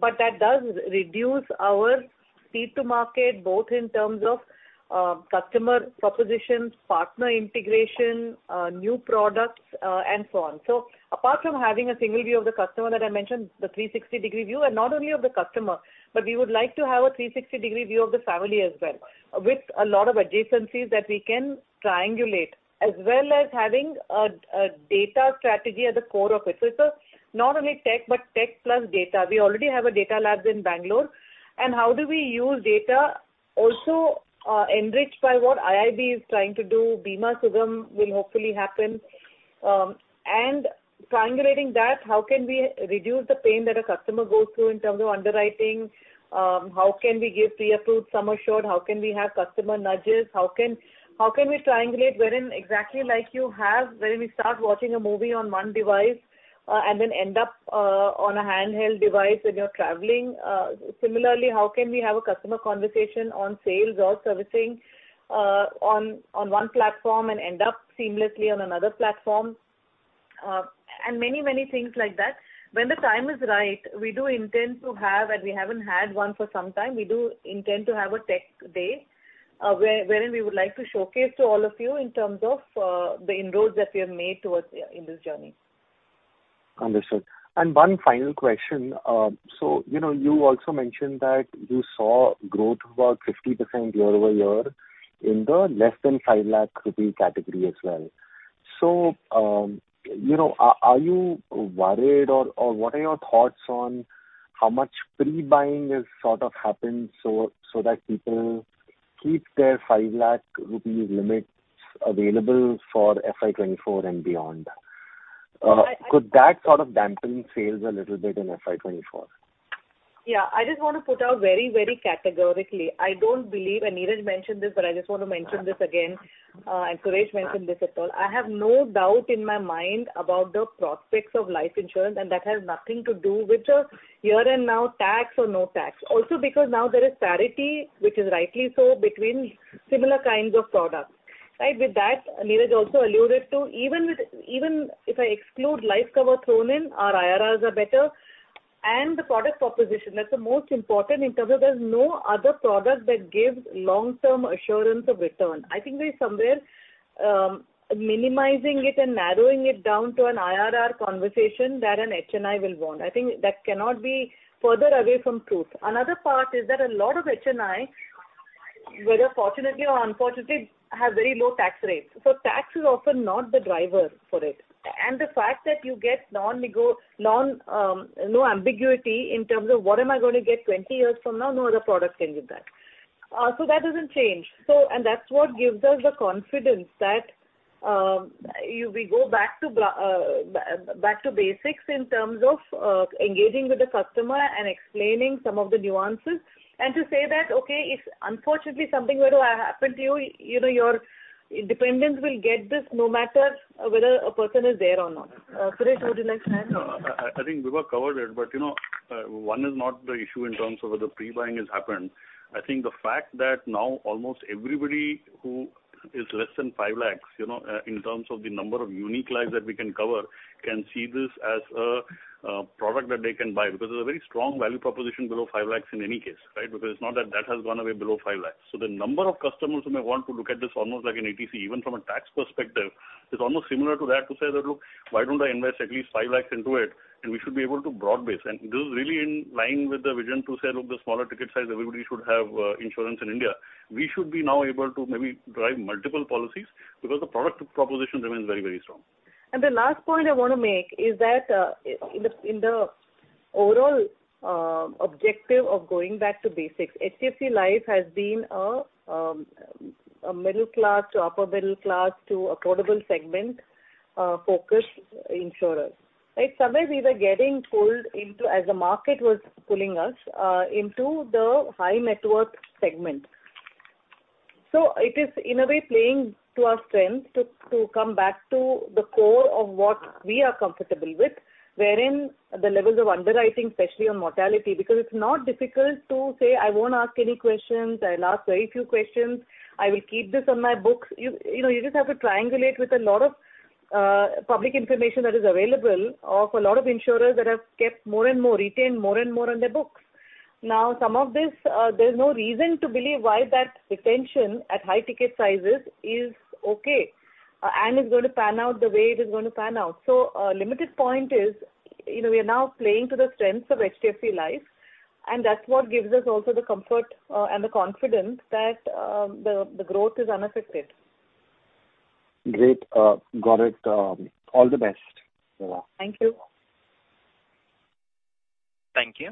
That does reduce our speed to market, both in terms of customer propositions, partner integration, new products, and so on. Apart from having a single view of the customer that I mentioned, the 360-degree view, and not only of the customer, but we would like to have a 360-degree view of the family as well, with a lot of adjacencies that we can triangulate, as well as having a data strategy at the core of it. It's a not only tech, but tech plus data. We already have a data labs in Bangalore. How do we use data also enriched by what IIB is trying to do, Bima Sugam will hopefully happen. Triangulating that, how can we reduce the pain that a customer goes through in terms of underwriting? How can we give pre-approved sum assured? How can we have customer nudges? How can we triangulate wherein exactly like you have when we start watching a movie on one device, and then end up on a handheld device when you're traveling. Similarly, how can we have a customer conversation on sales or servicing on one platform and end up seamlessly on another platform? And many things like that. When the time is right, we do intend to have, and we haven't had one for some time, we do intend to have a tech day, wherein we would like to showcase to all of you in terms of the inroads that we have made towards, in this journey. Understood. One final question. You know, you also mentioned that you saw growth about 50% year over year in the less than 5 lakh rupee category as well. You know, are you worried or what are your thoughts on how much pre-buying has sort of happened so that people keep their 5 lakh rupees limits available for FY 2024 and beyond? I- Could that sort of dampen sales a little bit in FY 2024? Yeah. I just want to put out very, very categorically. I don't believe, Neeraj mentioned this, but I just want to mention this again, Suresh mentioned this as well. I have no doubt in my mind about the prospects of life insurance, that has nothing to do with the here and now tax or no tax. Because now there is parity, which is rightly so between similar kinds of products, right? With that, Neeraj also alluded to even if I exclude life cover thrown in, our IRRs are better, the product proposition, that's the most important in terms of there's no other product that gives long-term assurance of return. I think we're somewhere minimizing it and narrowing it down to an IRR conversation that an HNI will want. I think that cannot be further away from truth. Another part is that a lot of HNI, whether fortunately or unfortunately, have very low tax rates. Tax is often not the driver for it. The fact that you get non, no ambiguity in terms of what am I gonna get 20 years from now, no other product can give that. That doesn't change. That's what gives us the confidence that we go back to basics in terms of engaging with the customer and explaining some of the nuances and to say that, okay, if unfortunately something were to happen to you know, your dependents will get this no matter whether a person is there or not. Suresh, would you like to add? I think Vibha covered it. You know, one is not the issue in terms of whether pre-buying has happened. I think the fact that now almost everybody who is less than 5 lakhs, you know, in terms of the number of unique lives that we can cover can see this as a product that they can buy because there's a very strong value proposition below 5 lakhs in any case, right? It's not that that has gone away below 5 lakhs. The number of customers who may want to look at this almost like an ATC, even from a tax perspective, is almost similar to that to say that, "Look, why don't I invest at least 5 lakhs into it and we should be able to broad base." This is really in line with the vision to say, look, the smaller ticket size everybody should have, insurance in India. We should be now able to maybe drive multiple policies because the product proposition remains very, very strong. The last point I wanna make is that, in the overall objective of going back to basics, HDFC Life has been a middle class to upper middle class to affordable segment focused insurer, right? Somewhere we were getting pulled into as the market was pulling us into the high net worth segment. It is in a way playing to our strength to come back to the core of what we are comfortable with, wherein the levels of underwriting, especially on mortality, because it's not difficult to say I won't ask any questions. I'll ask very few questions. I will keep this on my books. You, you know, you just have to triangulate with a lot of public information that is available of a lot of insurers that have kept more and more, retained more and more on their books. Now, some of this, there's no reason to believe why that retention at high ticket sizes is okay, and is going to pan out the way it is going to pan out. limited point is, you know, we are now playing to the strengths of HDFC Life, and that's what gives us also the comfort and the confidence that the growth is unaffected. Great. Got it. All the best, Vibha. Thank you. Thank you.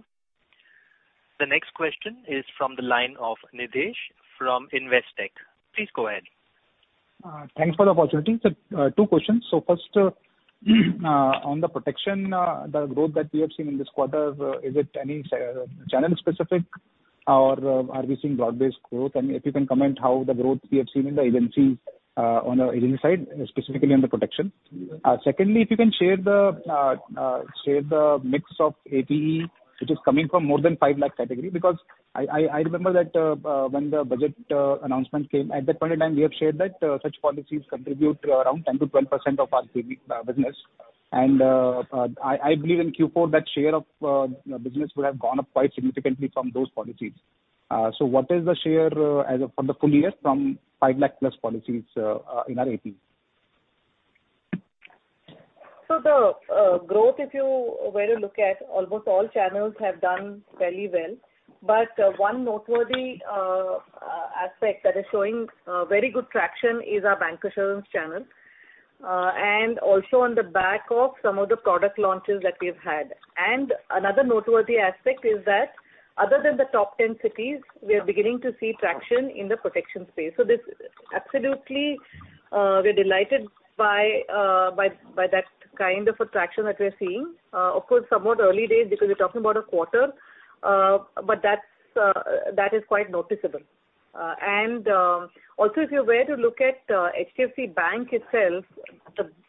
The next question is from the line of Nidhesh from Investec. Please go ahead. Thanks for the opportunity. Two questions. First, on the protection, the growth that we have seen in this quarter, is it any channel specific or are we seeing broad-based growth? If you can comment how the growth we have seen in the agency, on a agency side, specifically on the protection. Secondly, if you can share the mix of APE which is coming from more than 5 lakh category because I remember that when the budget announcement came at that point in time, we have shared that such policies contribute around 10%-12% of our PV business and I believe in Q4 that share of business would have gone up quite significantly from those policies. What is the share for the full year from 5 lakh+ policies in our APE? The growth, if you were to look at almost all channels have done fairly well, but one noteworthy aspect that is showing very good traction is our bancassurance channel. Also on the back of some of the product launches that we've had. Another noteworthy aspect is that other than the top 10 cities, we are beginning to see traction in the protection space. This absolutely, we're delighted by that kind of a traction that we're seeing. Of course, somewhat early days because we're talking about a quarter, but that's that is quite noticeable. Also if you were to look at HDFC Bank itself,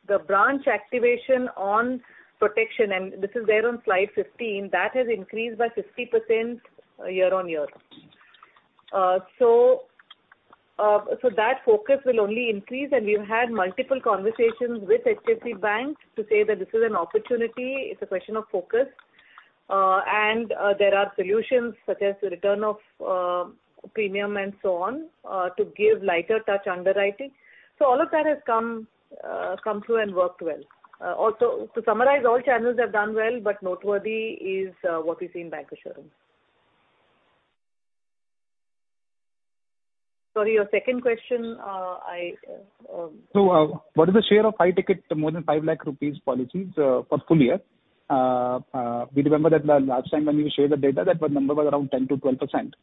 the branch activation on protection, and this is there on slide 15, that has increased by 50% year-on-year. That focus will only increase. We've had multiple conversations with HDFC Bank to say that this is an opportunity, it's a question of focus. There are solutions such as the return of premium and so on to give lighter touch underwriting. All of that has come through and worked well. Also to summarize, all channels have done well, but noteworthy is what we see in bancassurance. Sorry, your second question, I- What is the share of high ticket, more than 5 lakh rupees policies for full year? We remember that the last time when you shared the data that the number was around 10%-12%.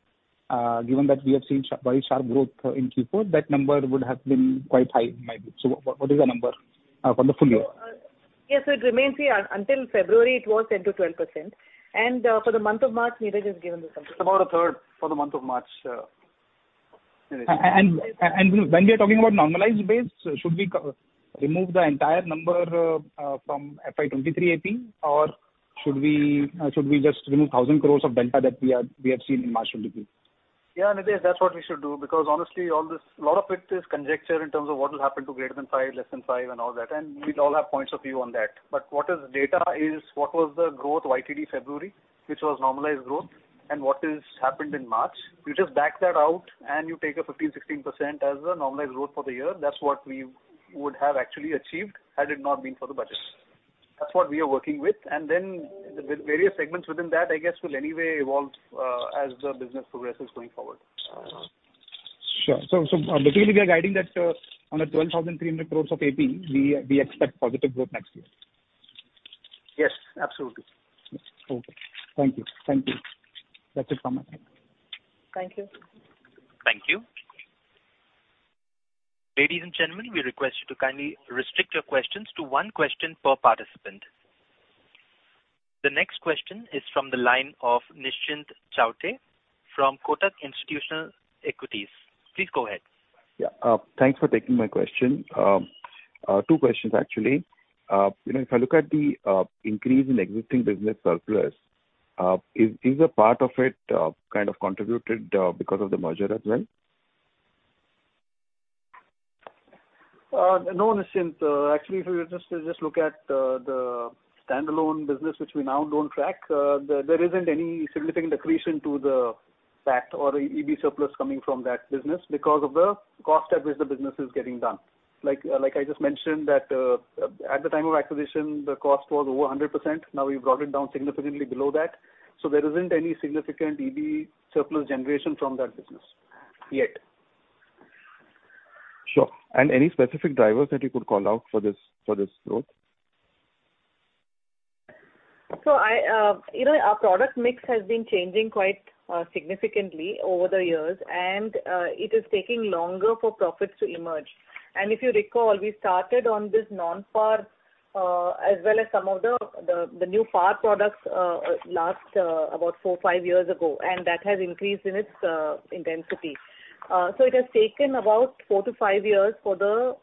Given that we have seen very sharp growth in Q4, that number would have been quite high in my view. What is the number for the full year? Yes. It remains, see until February it was 10%-12%. For the month of March, Niraj has given the number. It's about a third for the month of March, Niraj. When we are talking about normalized base, should we co-remove the entire number from FY 2023 APE or should we just remove 1,000 crores of delta that we have seen in March QDP? Yeah, Nidhesh, that's what we should do because honestly lot of it is conjecture in terms of what will happen to greater than five, less than five and all that, and we'd all have points of view on that. What is data is what was the growth YTD February, which was normalized growth and what is happened in March. You just back that out and you take a 15%, 16% as the normalized growth for the year. That's what we would have actually achieved had it not been for the budget. That's what we are working with. The various segments within that I guess will anyway evolve as the business progresses going forward. Sure. Basically we are guiding that, on the 12,300 crore of AP, we expect positive growth next year. Yes, absolutely. Okay. Thank you. Thank you. That's it from my side. Thank you. Thank you. Ladies and gentlemen, we request you to kindly restrict your questions to one question per participant. The next question is from the line of Nischint Chawathe from Kotak Institutional Equities. Please go ahead. Yeah, thanks for taking my question. Two questions actually. You know, if I look at the increase in existing business surplus, is a part of it kind of contributed because of the merger as well? No, Nischint. Actually, if you just look at the standalone business which we now don't track, there isn't any significant accretion to the PAT or EB surplus coming from that business because of the cost at which the business is getting done. Like I just mentioned that, at the time of acquisition, the cost was over 100%. We've brought it down significantly below that, so there isn't any significant EB surplus generation from that business yet. Sure. Any specific drivers that you could call out for this growth? I, you know, our product mix has been changing quite significantly over the years and it is taking longer for profits to emerge. If you recall, we started on this non-par as well as some of the new par products last about four, five years ago, and that has increased in its intensity. It has taken about four to five years for those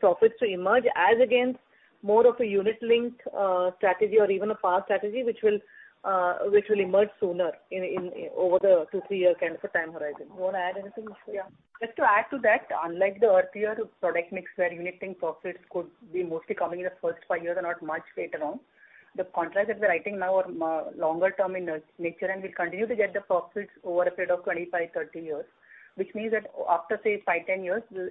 profits to emerge as against more of a unit-linked strategy or even a par strategy which will emerge sooner in over the two, three year kind of a time horizon. You want to add anything, Suresh? Yeah. Just to add to that, unlike the earlier product mix where unit-linked profits could be mostly coming in the first five years or not much later on, the contracts that we are writing now are more longer term in nature, and we'll continue to get the profits over a period of 25, 30 years. Which means that after say five, 10 years the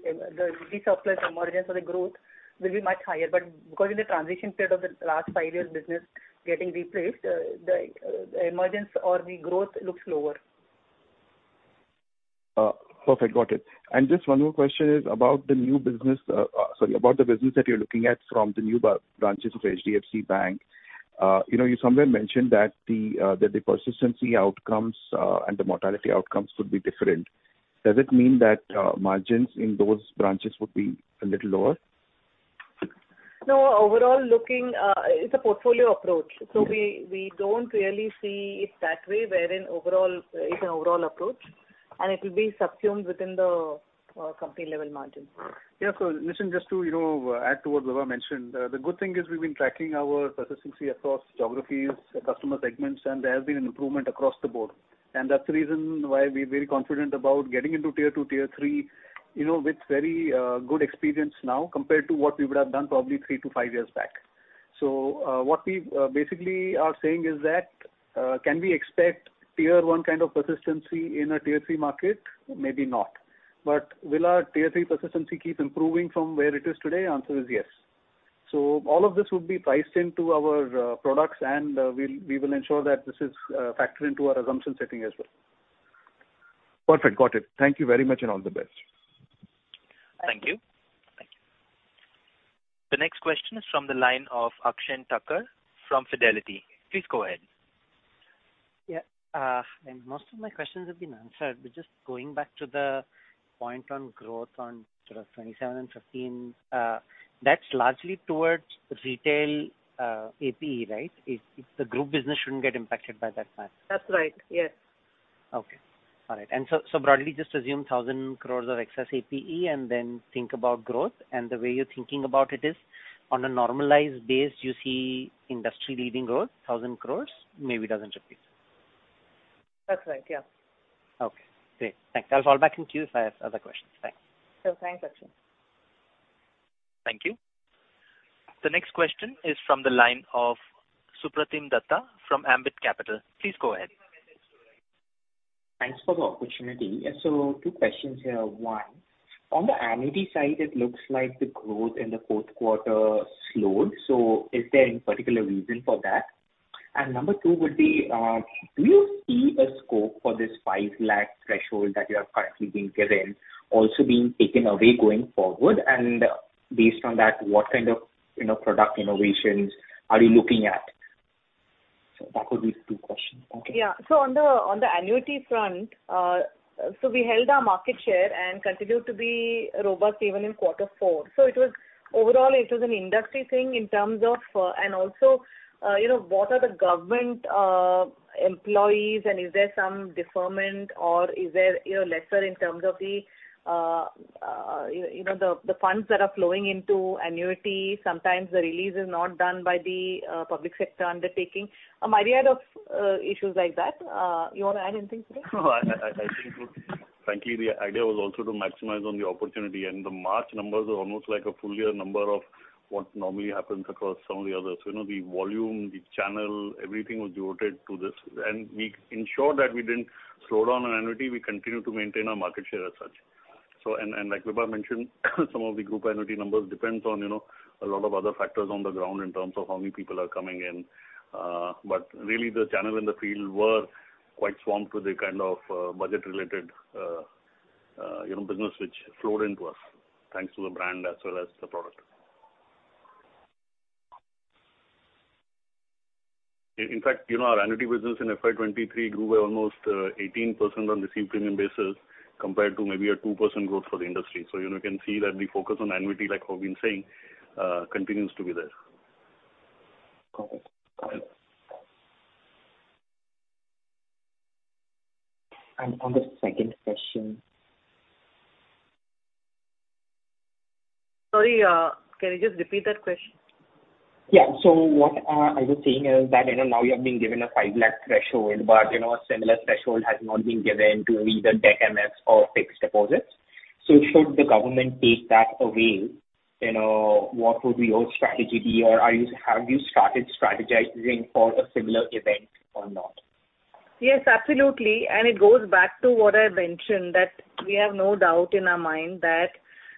surplus emergence or the growth will be much higher. Because in the transition period of the last five years business getting replaced, the emergence or the growth looks lower. Perfect. Got it. Just one more question is about the new business, sorry, about the business that you're looking at from the new branches of HDFC Bank. You know, you somewhere mentioned that the persistency outcomes and the mortality outcomes could be different. Does it mean that margins in those branches would be a little lower? No. Overall looking, it's a portfolio approach. We don't really see it that way wherein overall it's an overall approach and it will be subsumed within the company level margin. Yeah. Listen, just to, you know, add to what Vibha mentioned. The good thing is we've been tracking our persistency across geographies, customer segments, and there has been an improvement across the board. That's the reason why we're very confident about getting into Tier 2, Tier 3, you know, with very good experience now compared to what we would have done probably three to five years back. What we basically are saying is that, can we expect Tier 1 kind of persistency in a Tier 3 market? Maybe not. Will our Tier 3 persistency keep improving from where it is today? Answer is yes. All of this would be priced into our products and we will ensure that this is factored into our assumption setting as well. Perfect. Got it. Thank you very much, and all the best. Thank you. Thank you. The next question is from the line of Akshen Thakkar from Fidelity. Please go ahead. Yeah. Most of my questions have been answered, but just going back to the point on growth on sort of 27 and 15, that's largely towards retail APE, right? It's the group business shouldn't get impacted by that much. That's right. Yes. Okay. All right. broadly, just assume 1,000 crores of excess APE and then think about growth. The way you're thinking about it is on a normalized base, you see industry-leading growth, 1,000 crores, maybe INR 12. That's right. Yeah. Okay. Great. Thanks. I'll fall back in queue if I have other questions. Thanks. thanks, Akshen. Thank you. The next question is from the line of Supratim Datta from Ambit Capital. Please go ahead. Thanks for the opportunity. Two questions here. One, on the annuity side, it looks like the growth in the 4th quarter slowed. Is there any particular reason for that? Number two would be, do you see a scope for this 5 lakh threshold that you have currently been given also being taken away going forward? Based on that, what kind of, you know, product innovations are you looking at? That would be questions. Thank you. Yeah. On the annuity front, so we held our market share and continued to be robust even in quarter four. It was overall, it was an industry thing in terms of, and also, you know, what are the government employees and is there some deferment or is there, you know, lesser in terms of the, you know, the funds that are flowing into annuity. Sometimes the release is not done by the public sector undertaking. A myriad of issues like that. You wanna add anything to that? No, I think frankly, the idea was also to maximize on the opportunity. The March numbers are almost like a full year number of what normally happens across some of the others. You know, the volume, the channel, everything was devoted to this. We ensured that we didn't slow down on annuity. We continued to maintain our market share as such. Like Vibha mentioned, some of the group annuity numbers depends on, you know, a lot of other factors on the ground in terms of how many people are coming in. Really the channel in the field were quite swamped with the kind of budget related, you know, business which flowed into us thanks to the brand as well as the product. In fact, you know, our annuity business in FY 2023 grew by almost 18% on received premium basis compared to maybe a 2% growth for the industry. You know, you can see that we focus on annuity like how we've been saying, continues to be there. Okay. On the second question. Sorry, can you just repeat that question? Yeah. What I was saying is that, you know, now you have been given a 5 lakh threshold, but you know, a similar threshold has not been given to either debt MFs or fixed deposits. Should the government take that away, you know, what would your strategy be? Have you started strategizing for a similar event or not? Yes, absolutely. It goes back to what I mentioned that we have no doubt in our mind that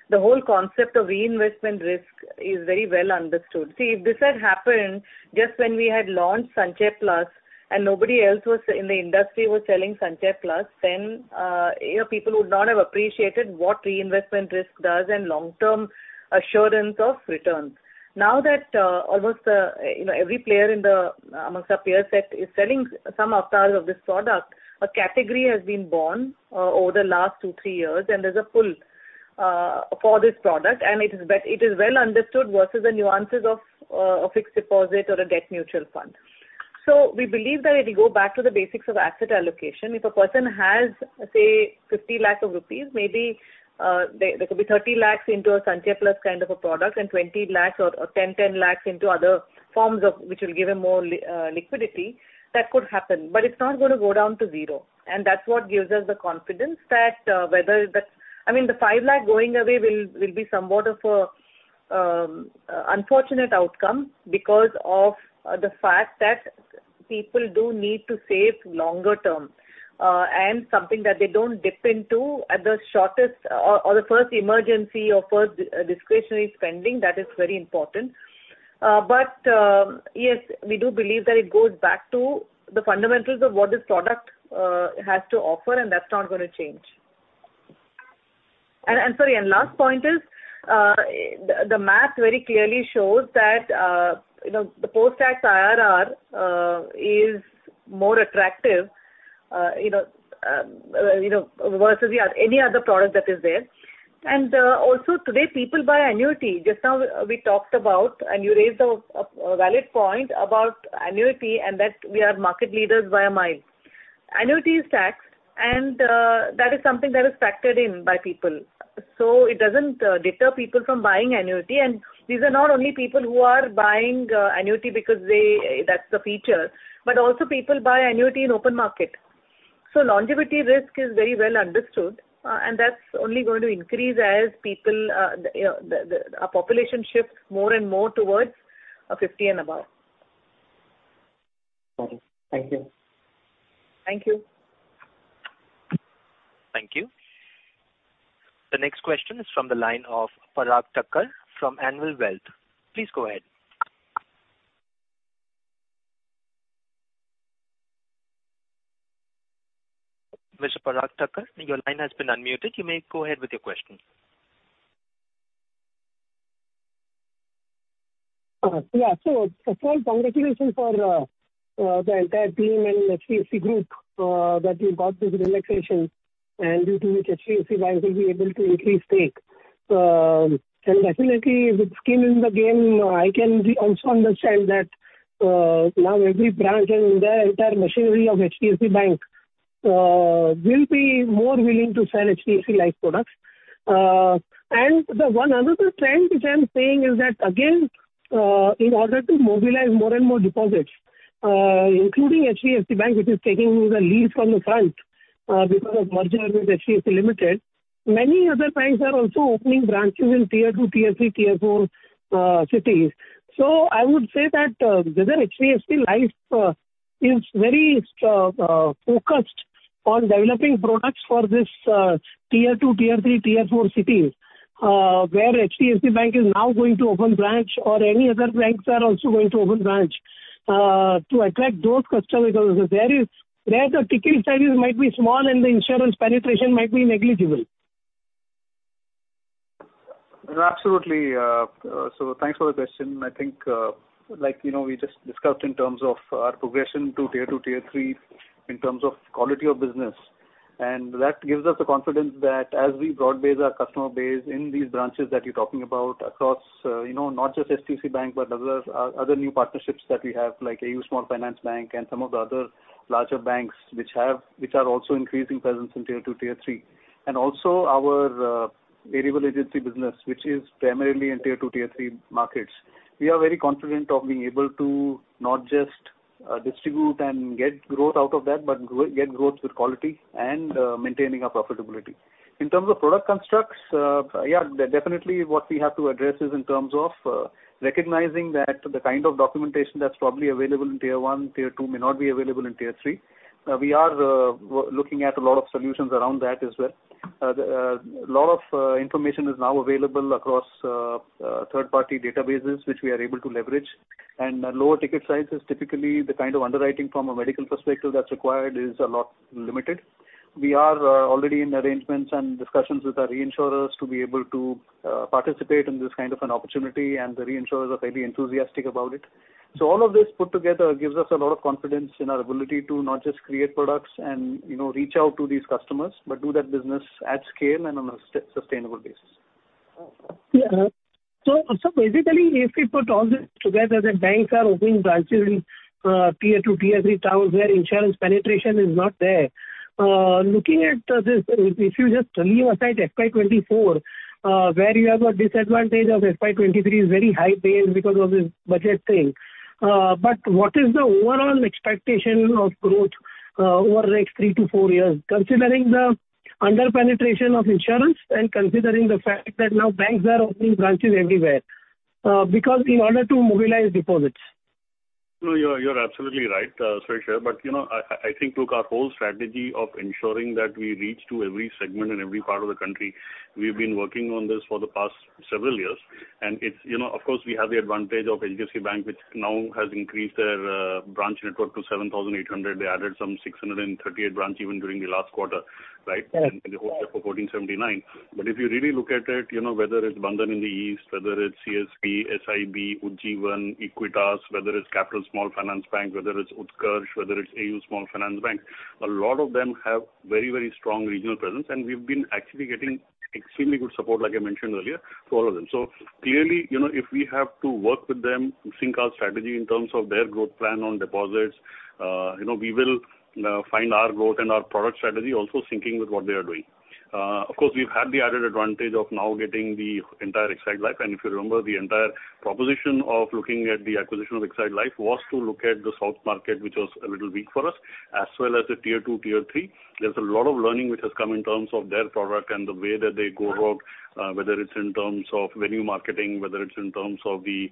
the whole concept of reinvestment risk is very well understood. See, if this had happened just when we had launched Sanchay Plus and nobody else was in the industry was selling Sanchay Plus then, you know, people would not have appreciated what reinvestment risk does and long-term assurance of returns. Now that, almost, you know, every player in the amongst our peer set is selling some avatars of this product, a category has been born, over the last two, three years, and there's a pull, for this product and it is well understood versus the nuances of, a fixed deposit or a debt mutual fund. We believe that if you go back to the basics of asset allocation, if a person has, say, 50 lakh rupees, maybe there could be 30 lakh INR into a Sanchay Plus kind of a product and 20 lakh INR or 10 lakh INR into other forms of which will give him more liquidity that could happen. It's not gonna go down to zero. That's what gives us the confidence that I mean, the 5 lakh INR going away will be somewhat of an unfortunate outcome because of the fact that people do need to save longer term and something that they don't dip into at the shortest or the first emergency or first discretionary spending, that is very important. Yes, we do believe that it goes back to the fundamentals of what this product has to offer, and that's not gonna change. Sorry, and last point is, the math very clearly shows that, you know, the post-tax IRR is more attractive, you know, versus any other product that is there. Also today people buy annuity. Just now we talked about and you raised a valid point about annuity and that we are market leaders via Miles. Annuity is taxed and that is something that is factored in by people. It doesn't deter people from buying annuity. These are not only people who are buying annuity because they, that's the feature, but also people buy annuity in open market. Longevity risk is very well understood, and that's only going to increase as people, you know, the, our population shifts more and more towards 50 and above. Got it. Thank you. Thank you. Thank you. The next question is from the line of Parag Thakkar from Anvil Wealth. Please go ahead. Mr. Parag Thakkar, your line has been unmuted. You may go ahead with your question. Yeah. First of all, congratulations for the entire team and HDFC Group that you got this relaxation and due to which HDFC Bank will be able to increase stake. Definitely with skin in the game, I can also understand that now every branch and the entire machinery of HDFC Bank will be more willing to sell HDFC Life products. The one another trend which I'm saying is that again, in order to mobilize more and more deposits, including HDFC Bank which is taking the lead from the front, because of merger with HDFC Limited, many other banks are also opening branches in Tier 2, Tier 3, Tier 4 cities. I would say that, whether HDFC Life is very focused on developing products for this, Tier 2, Tier 3, Tier four cities, where HDFC Bank is now going to open branch or any other banks are also going to open branch, to attract those customers also where the ticket sizes might be small and the insurance penetration might be negligible. Absolutely. Thanks for the question. I think, like, you know, we just discussed in terms of our progression to Tier 2, Tier 3 in terms of quality of business. That gives us the confidence that as we broad base our customer base in these branches that you're talking about across, you know, not just HDFC Bank, but other new partnerships that we have like AU Small Finance Bank and some of the other larger banks which are also increasing presence in Tier 2, Tier 3. Also our variable agency business, which is primarily in Tier 2, Tier 3 markets. We are very confident of being able to not just distribute and get growth out of that, but get growth with quality and maintaining our profitability. In terms of product constructs, definitely what we have to address is in terms of recognizing that the kind of documentation that's probably available in Tier 1, Tier 2 may not be available in Tier 3. We are looking at a lot of solutions around that as well. The lot of information is now available across third party databases which we are able to leverage. Lower ticket sizes, typically the kind of underwriting from a medical perspective that's required is a lot limited. We are already in arrangements and discussions with our reinsurers to be able to participate in this kind of an opportunity and the reinsurers are fairly enthusiastic about it. All of this put together gives us a lot of confidence in our ability to not just create products and, you know, reach out to these customers, but do that business at scale and on a sustainable basis. Yeah. Basically if we put all this together, the banks are opening branches in Tier 2, Tier 3 towns where insurance penetration is not there. Looking at this, if you just leave aside FY 2024, where you have a disadvantage of FY 2023's very high base because of this budget thing. What is the overall expectation of growth over the next three to four years, considering the under-penetration of insurance and considering the fact that now banks are opening branches everywhere, because in order to mobilize deposits? No, you're absolutely right, Suresh. you know, I think look our whole strategy of ensuring that we reach to every segment in every part of the country, we've been working on this for the past several years. it's, you know, of course we have the advantage of HDFC Bank, which now has increased their branch network to 7,800. They added some 638 branch even during the last quarter, right? Yes. The whole year for 1,479. If you really look at it, you know, whether it's Bandhan in the east, whether it's CSB, SIB, Ujjivan, Equitas, whether it's Capital Small Finance Bank, whether it's Utkarsh, whether it's AU Small Finance Bank, a lot of them have very, very strong regional presence and we've been actually getting extremely good support like I mentioned earlier to all of them. Clearly, you know, if we have to work with them to sync our strategy in terms of their growth plan on deposits, you know, we will find our growth and our product strategy also syncing with what they are doing. Of course, we've had the added advantage of now getting the entire Exide Life and if you remember the entire proposition of looking at the acquisition of Exide Life was to look at the south market, which was a little weak for us, as well as the Tier 2, Tier 3. There's a lot of learning which has come in terms of their product and the way that they go about, whether it's in terms of venue marketing, whether it's in terms of the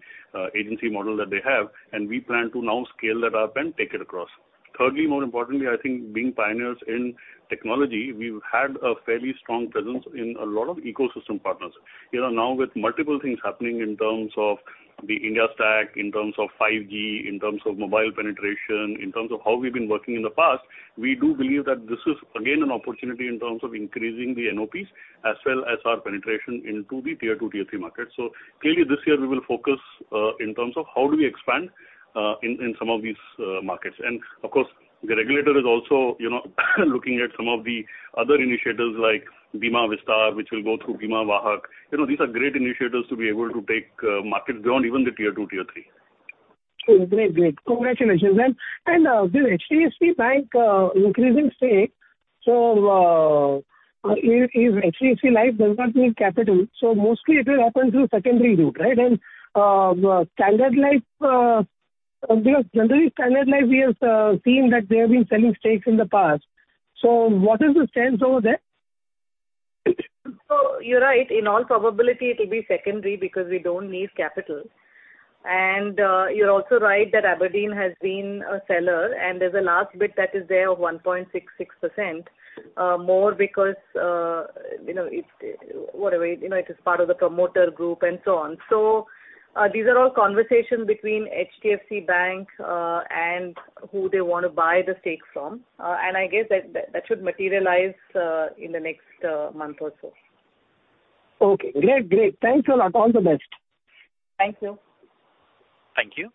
agency model that they have, we plan to now scale that up and take it across. Thirdly, more importantly, I think being pioneers in technology, we've had a fairly strong presence in a lot of ecosystem partners. You know now with multiple things happening in terms of the India Stack, in terms of 5G, in terms of mobile penetration, in terms of how we've been working in the past, we do believe that this is again an opportunity in terms of increasing the NOPs as well as our penetration into the Tier 2, Tier 3 markets. Clearly this year we will focus in terms of how do we expand in some of these markets. Of course the regulator is also, you know, looking at some of the other initiatives like Bima Vistaar, which will go through Bima Wahak. You know these are great initiatives to be able to take market beyond even the Tier 2, Tier 3. Great. Great. Congratulations. This HDFC Bank increasing stakeSo is HDFC Life does not need capital, so mostly it will happen through secondary route, right? Standard Life, because generally Standard Life we have seen that they have been selling stakes in the past. What is the stance over there? You're right. In all probability it'll be secondary because we don't need capital. You're also right that Aberdeen has been a seller, and there's a last bit that is there of 1.66% more because, you know, it's, whatever, you know, it is part of the promoter group and so on. These are all conversations between HDFC Bank, and who they wanna buy the stakes from. I guess that, that should materialize in the next month or so. Okay. Great. Great. Thanks a lot. All the best. Thank you. Thank you.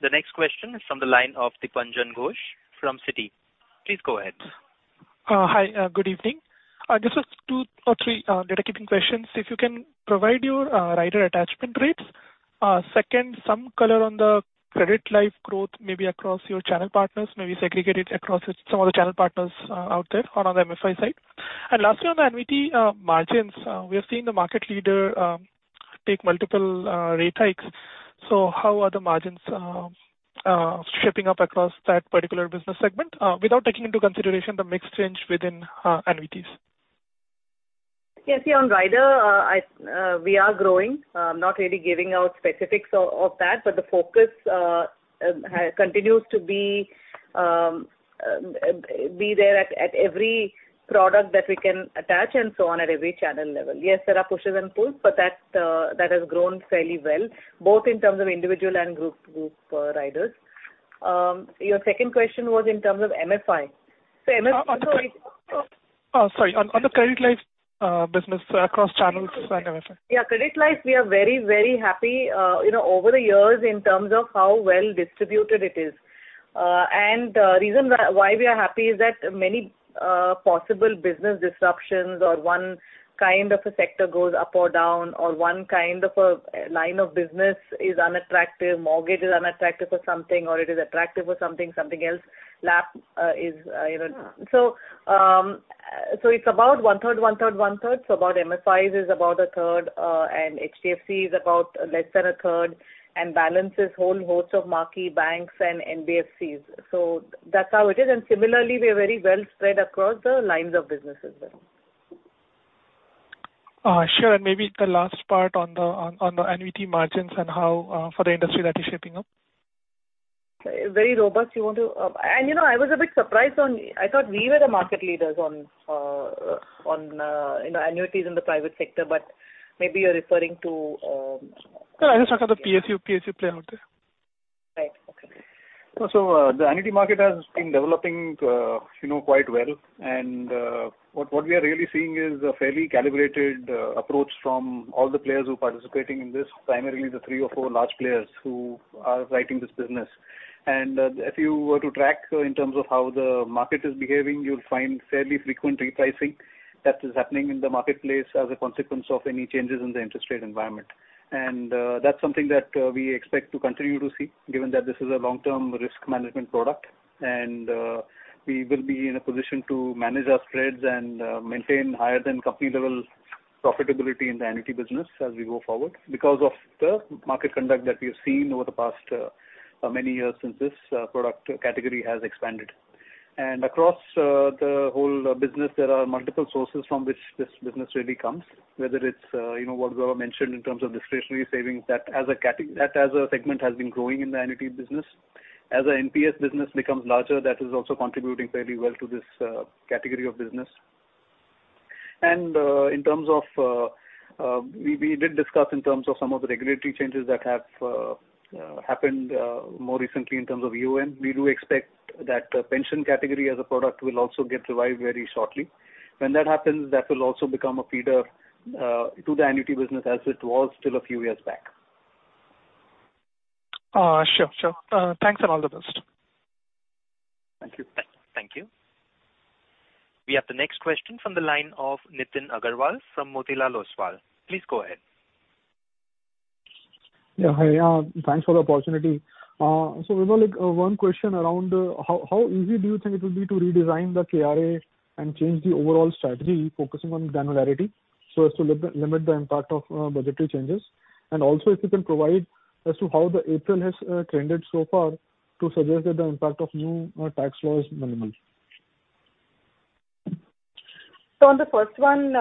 The next question is from the line of Dipanjan Ghosh from Citi. Please go ahead. Hi. Good evening. This is two or three data keeping questions. If you can provide your rider attachment rates. Second, some color on the Credit Life growth, maybe across your channel partners, maybe segregate it across some of the channel partners out there on the MFI side. Lastly, on the annuity margins, we are seeing the market leader take multiple rate hikes, so how are the margins shaping up across that particular business segment without taking into consideration the mix change within annuities? Yeah, on rider, we are growing. Not really giving out specifics of that, but the focus continues to be there at every product that we can attach and so on at every channel level. There are pushes and pulls, but that has grown fairly well, both in terms of individual and group riders. Your second question was in terms of MFIs. MFIs. Uh, on, on- Sorry. Oh, sorry. On the Credit Life business across channels and MFIs. Yeah. Credit Life we are very, very happy, you know, over the years in terms of how well distributed it is. The reason why we are happy is that many possible business disruptions or one kind of a sector goes up or down, or one kind of a line of business is unattractive, mortgage is unattractive for something or it is attractive for something else, LAP is, you know. It's about one third, one third, one third. About MFIs is about a third, and HDFC is about less than a third, and balance is whole host of marquee banks and NBFCs. That's how it is. Similarly we are very well spread across the lines of businesses there. Sure. Maybe the last part on the annuity margins and how for the industry that is shaping up. Very robust. You know, I was a bit surprised on, I thought we were the market leaders on, you know, annuities in the private sector, but maybe you're referring to. No, I was talking to PSU player out there. Right. Okay. The annuity market has been developing, you know, quite well. What we are really seeing is a fairly calibrated approach from all the players who are participating in this, primarily the three or four large players who are writing this business. If you were to track in terms of how the market is behaving, you'll find fairly frequent repricing that is happening in the marketplace as a consequence of any changes in the interest rate environment. That's something that we expect to continue to see given that this is a long-term risk management product. We will be in a position to manage our spreads and maintain higher than company level profitability in the annuity business as we go forward because of the market conduct that we've seen over the past many years since this product category has expanded. Across the whole business, there are multiple sources from which this business really comes, whether it's, you know, what Vibha mentioned in terms of discretionary savings, that as a segment has been growing in the annuity business. As our NPS business becomes larger, that is also contributing fairly well to this category of business. In terms of, we did discuss in terms of some of the regulatory changes that have happened more recently in terms of UN. We do expect that pension category as a product will also get revived very shortly. When that happens, that will also become a feeder to the annuity business as it was still a few years back. Sure. Sure. Thanks and all the best. Thank you. Thank you. We have the next question from the line of Nitin Aggarwal from Motilal Oswal. Please go ahead. Yeah. Hi, yeah. Thanks for the opportunity. Vi like, one question around how easy do you think it will be to redesign the KRA and change the overall strategy focusing on the annuity so as to limit the impact of budgetary changes? Also if you can provide as to how the April has trended so far to suggest that the impact of new tax law is minimal? On the first one,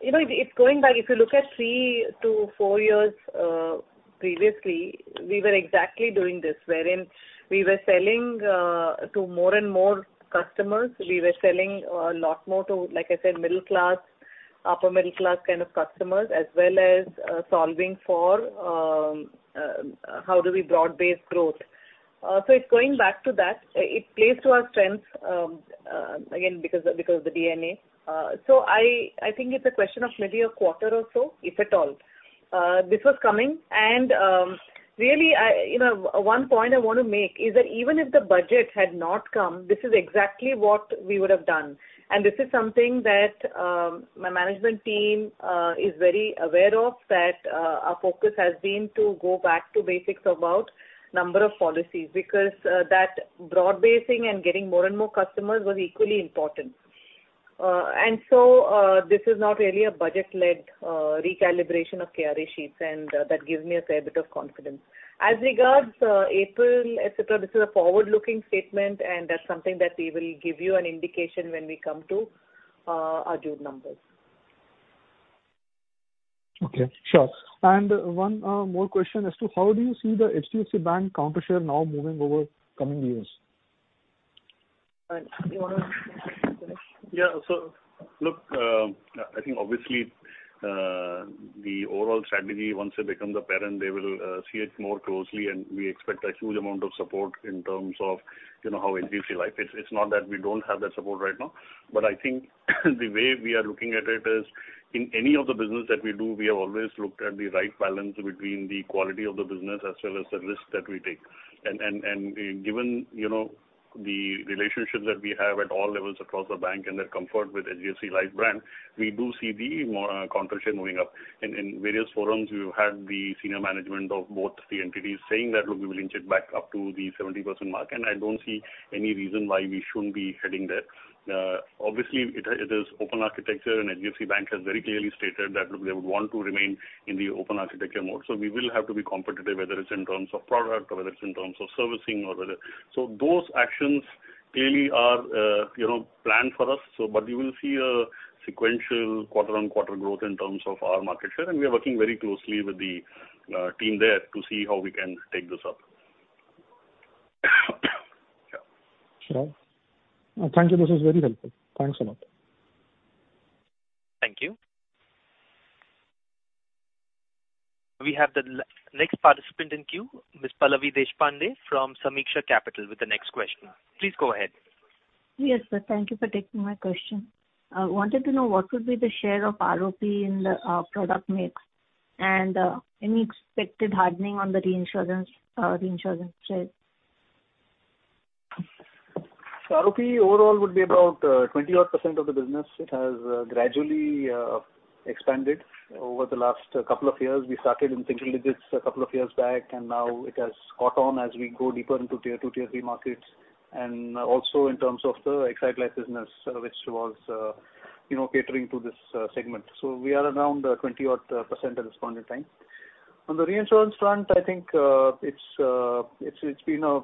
you know, it's going back. If you look at three to four years previously, we were exactly doing this, wherein we were selling to more and more customers. We were selling a lot more to, like I said, middle class, upper middle class kind of customers, as well as solving for how do we broad-base growth. It's going back to that. It plays to our strengths again, because the DNA. I think it's a question of maybe a quarter or so, if at all. This was coming and really I, you know, one point I wanna make is that even if the budget had not come, this is exactly what we would have done. This is something that my management team is very aware of, that our focus has been to go back to basics about Number of Policies. That broad basing and getting more and more customers was equally important. This is not really a budget-led recalibration of KRI sheets, and that gives me a fair bit of confidence. As regards April, et cetera, this is a forward-looking statement, and that's something that we will give you an indication when we come to our June numbers. Okay, sure. One, more question as to how do you see the HDFC Bank counter share now moving over coming years? All right. Yeah. Look, I think obviously, the overall strategy, once they become the parent, they will see it more closely, and we expect a huge amount of support in terms of, you know, how HDFC Life is. It's not that we don't have that support right now, but I think the way we are looking at it is in any of the business that we do, we have always looked at the right balance between the quality of the business as well as the risk that we take. Given, you know, the relationship that we have at all levels across the bank and their comfort with HDFC Life brand, we do see the more counter share moving up. In various forums, we've had the senior management of both the entities saying that, "Look, we will inch it back up to the 70% mark," and I don't see any reason why we shouldn't be heading there. Obviously, it is open architecture, and HDFC Bank has very clearly stated that they would want to remain in the open architecture mode. We will have to be competitive, whether it's in terms of product or whether it's in terms of servicing or whether... Those actions clearly are, you know, planned for us, but you will see a sequential quarter-on-quarter growth in terms of our market share, and we are working very closely with the team there to see how we can take this up. Yeah. Sure. Thank you. This was very helpful. Thanks a lot. Thank you. We have the next participant in queue, Ms. Pallavi Deshpande from Sameeksha Capital with the next question. Please go ahead. Yes, sir. Thank you for taking my question. I wanted to know what would be the share of ROP in the product mix and any expected hardening on the reinsurance side. ROP overall would be about 20 odd % of the business. It has gradually expanded over the last couple of years. We started in single digits a couple of years back, and now it has caught on as we go deeper into Tier 2, Tier 3 markets, and also in terms of the Exide Life business, which was, you know, catering to this segment. We are around 20 odd % at this point in time. On the reinsurance front, I think, it's been a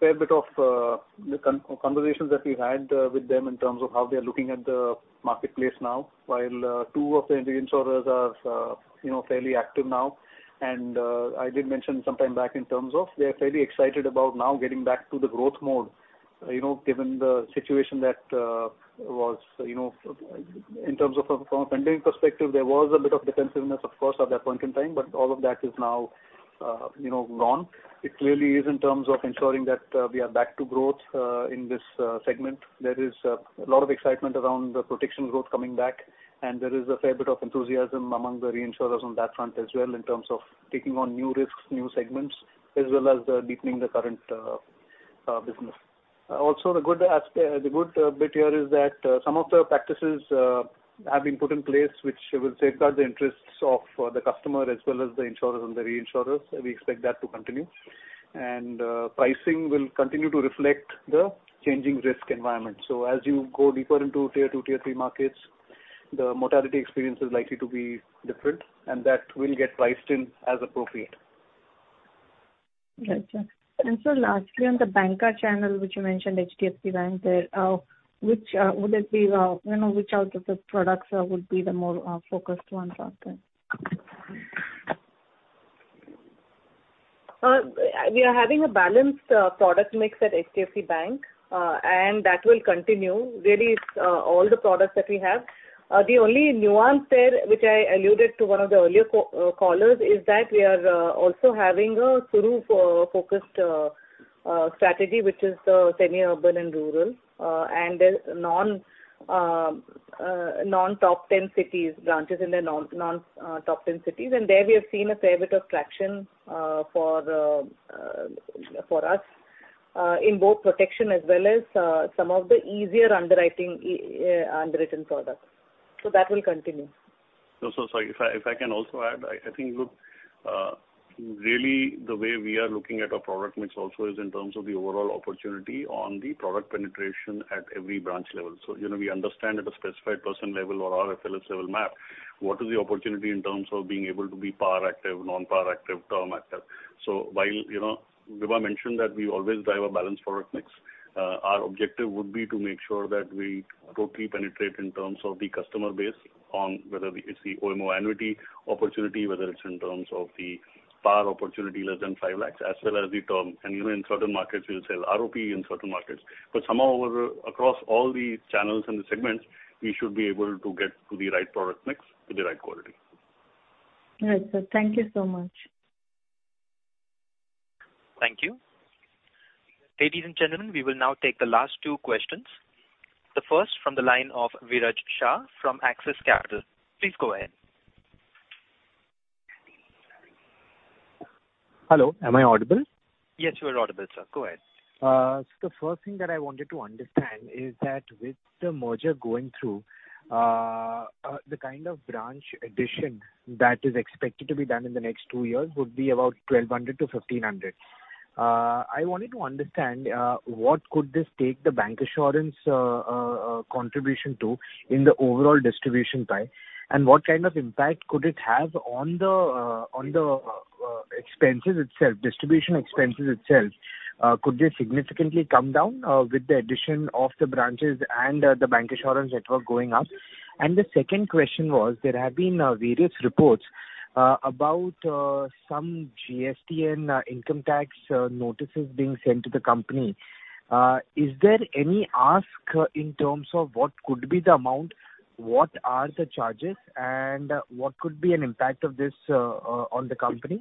fair bit of the conversations that we've had with them in terms of how they are looking at the marketplace now. While, two of the reinsurers are, you know, fairly active now. I did mention some time back in terms of they are fairly excited about now getting back to the growth mode, you know, given the situation that was, you know, in terms of from a funding perspective, there was a bit of defensiveness, of course, at that point in time, but all of that is now, you know, gone. It clearly is in terms of ensuring that we are back to growth in this segment. There is a lot of excitement around the protection growth coming back, and there is a fair bit of enthusiasm among the reinsurers on that front as well in terms of taking on new risks, new segments, as well as deepening the current business. The good bit here is that some of the practices have been put in place which will safeguard the interests of the customer as well as the insurers and the reinsurers. We expect that to continue. Pricing will continue to reflect the changing risk environment. As you go deeper into Tier 2, Tier 3 markets, the mortality experience is likely to be different, and that will get priced in as appropriate. Gotcha. Lastly, on the banker channel, which you mentioned HDFC Bank there, which would it be, you know, which out of the products, would be the more focused ones out there? We are having a balanced product mix at HDFC Bank, that will continue. Really, it's all the products that we have. The only nuance there, which I alluded to one of the earlier callers, is that we are also having a SURU focused strategy, which is the semi-urban and rural and the non non-top 10 cities, branches in the non non-top 10 cities. There we have seen a fair bit of traction for us in both protection as well as some of the easier underwriting underwritten products. That will continue. Sorry. If I can also add, I think, look, really the way we are looking at our product mix also is in terms of the overall opportunity on the product penetration at every branch level. You know, we understand at a specified person level or RFLS level map, what is the opportunity in terms of being able to be par active, non-par active, term active. While, you know, Vibha mentioned that we always drive a balanced product mix, our objective would be to make sure that we totally penetrate in terms of the customer base on whether it's the OMO annuity opportunity, whether it's in terms of the par opportunity less than 5 lakhs, as well as the term. Even in certain markets, we'll sell ROP in certain markets. Somehow across all the channels and the segments, we should be able to get to the right product mix with the right quality. Right, sir. Thank you so much. Thank you. Ladies and gentlemen, we will now take the last two questions. The first from the line of Viraj Shah from Axis Capital. Please go ahead. Hello, am I audible? Yes, you are audible, sir. Go ahead. The first thing that I wanted to understand is that with the merger going through, the kind of branch addition that is expected to be done in the next two years would be about 1,200 to 1,500. I wanted to understand what could this take the bank assurance contribution to in the overall distribution pie, and what kind of impact could it have on the expenses itself, distribution expenses itself? Could they significantly come down with the addition of the branches and the bank assurance network going up? The second question was there have been various reports about some GST and income tax notices being sent to the company. Is there any ask in terms of what could be the amount, what are the charges, and what could be an impact of this on the company?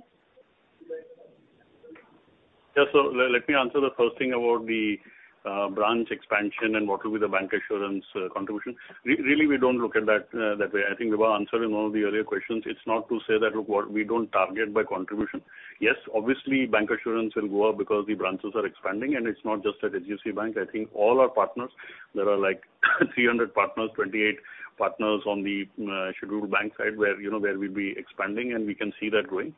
Yes. Let me answer the first thing about the branch expansion and what will be the bank assurance contribution. Really, we don't look at that way. I think we were answering one of the earlier questions. It's not to say that, look, what we don't target by contribution. Yes, obviously, bank assurance will go up because the branches are expanding, and it's not just at HDFC Bank. I think all our partners, there are like 300 partners, 28 partners on the scheduled bank side where, you know, where we'll be expanding and we can see that growing.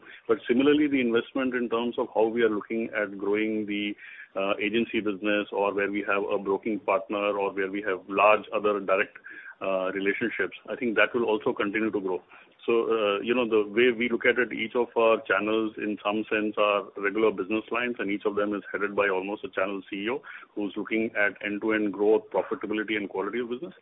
Similarly, the investment in terms of how we are looking at growing the agency business or where we have a broking partner or where we have large other direct relationships, I think that will also continue to grow. You know, the way we look at it, each of our channels in some sense are regular business lines, and each of them is headed by almost a channel CEO who's looking at end-to-end growth, profitability and quality of business.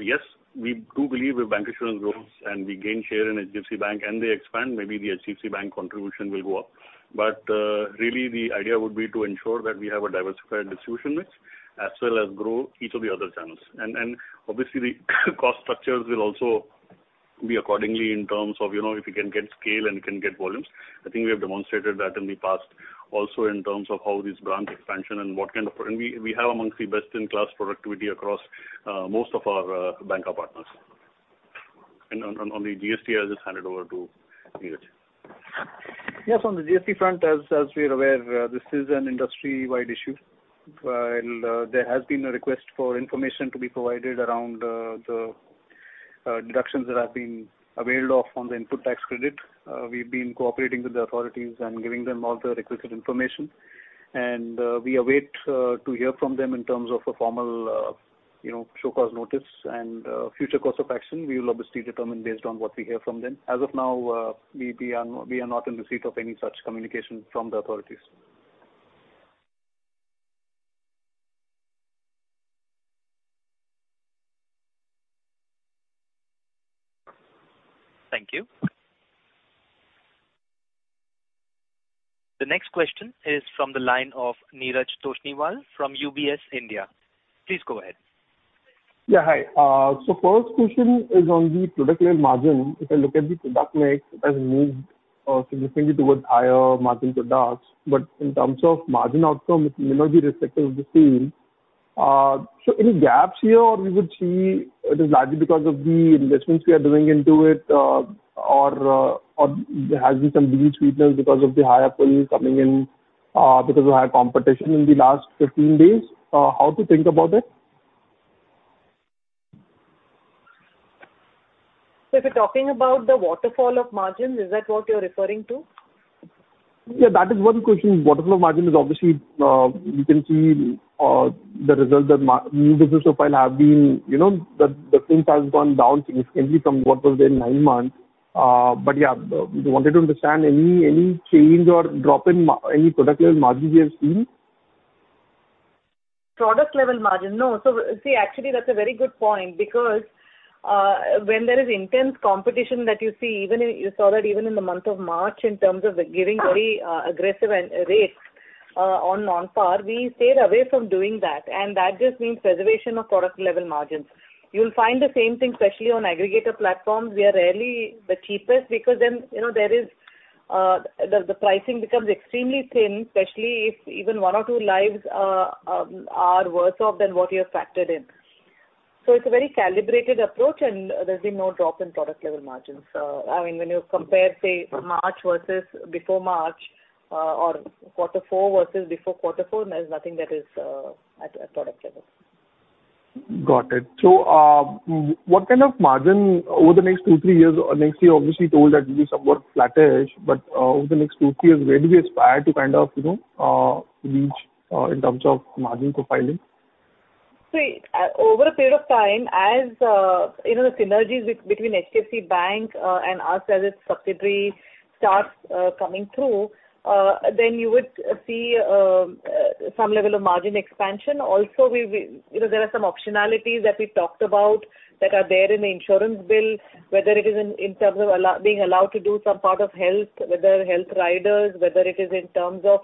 Yes, we do believe if bank assurance grows and we gain share in HDFC Bank and they expand, maybe the HDFC Bank contribution will go up. Really the idea would be to ensure that we have a diversified distribution mix as well as grow each of the other channels. Obviously the cost structures will also be accordingly in terms of, you know, if you can get scale and you can get volumes. I think we have demonstrated that in the past also in terms of how this branch expansion and what kind of and we have amongst the best in class productivity across most of our banker partners. On the GST, I'll just hand it over to Niraj. Yes, on the GST front, as we are aware, this is an industry-wide issue. While there has been a request for information to be provided around, the, deductions that have been availed of on the input tax credit, we've been cooperating with the authorities and giving them all the requested information, and we await to hear from them in terms of a formal, you know, show-cause notice and future course of acion we will obviously determine based on what we hear from them. As of now, we are not in receipt of any such communication from the authorities. Thank you. The next question is from the line of Neeraj Toshniwal from UBS India. Please go ahead. Yeah, hi. First question is on the product level margin. If I look at the product mix, it has moved significantly towards higher margin products. In terms of margin outcome, you know, the respective is the same. Any gaps here or we would see it is largely because of the investments we are doing into it, or there has been some deal sweetness because of the higher premiums coming in, because of higher competition in the last 15 days? How to think about it? If you're talking about the waterfall of margins, is that what you're referring to? Yeah, that is one question. Waterfall of margin is obviously, you can see, the result that new business profile have been, you know, the things has gone down significantly from what was there in nine months. Yeah, we wanted to understand any change or drop in any product level margin you have seen? Product level margin. No. See, actually that's a very good point because when there is intense competition that you see even in, you saw that even in the month of March in terms of giving very aggressive and rates on non-par, we stayed away from doing that and that just means preservation of product level margins. You'll find the same thing, especially on aggregator platforms. We are rarely the cheapest because, you know, there is the pricing becomes extremely thin, especially if even one or two lives are worse off than what you have factored in. It's a very calibrated approach and there's been no drop in product level margins. I mean, when you compare, say March versus before March, or quarter four versus before quarter four, there's nothing that is at product level. Got it. what kind of margin over the next two, three years? Next year obviously you told that it will be somewhat flattish, but over the next two, three years, where do we aspire to kind of, you know, reach in terms of margin profiling? See, over a period of time as, you know, the synergies between HDFC Bank and us as its subsidiary starts coming through, then you would see some level of margin expansion. Also we, you know, there are some optionalities that we talked about that are there in the insurance bill, whether it is in terms of being allowed to do some part of health, whether health riders, whether it is in terms of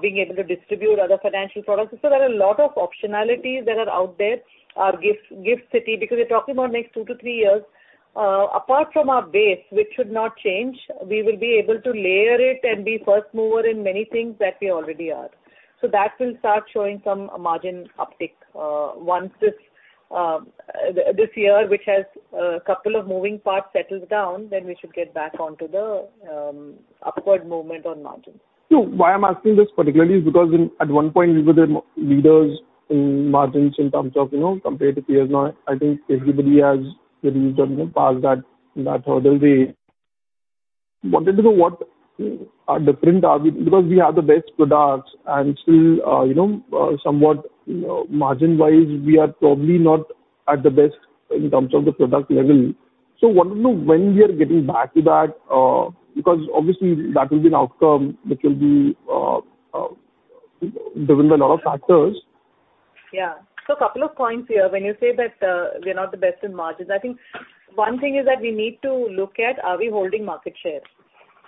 being able to distribute other financial products. There are a lot of optionalities that are out there are GIFT City because we're talking about next two to three years. Apart from our base, which should not change, we will be able to layer it and be first mover in many things that we already are. That will start showing some margin uptick, once this year, which has two moving parts settled down, then we should get back onto the upward movement on margins. Why I'm asking this particularly is because in, at one point we were the leaders in margins in terms of, you know, compared to peers. I think everybody has reduced or, you know, passed that hurdle. Wanted to know what are different are we because we have the best products and still, you know, somewhat, you know, margin-wise, we are probably not at the best in terms of the product level. Wanted to know when we are getting back to that, because obviously that will be an outcome which will be driven by a lot of factors. Yeah. A couple of points here. When you say that, we are not the best in margins, I think one thing is that we need to look at are we holding market share?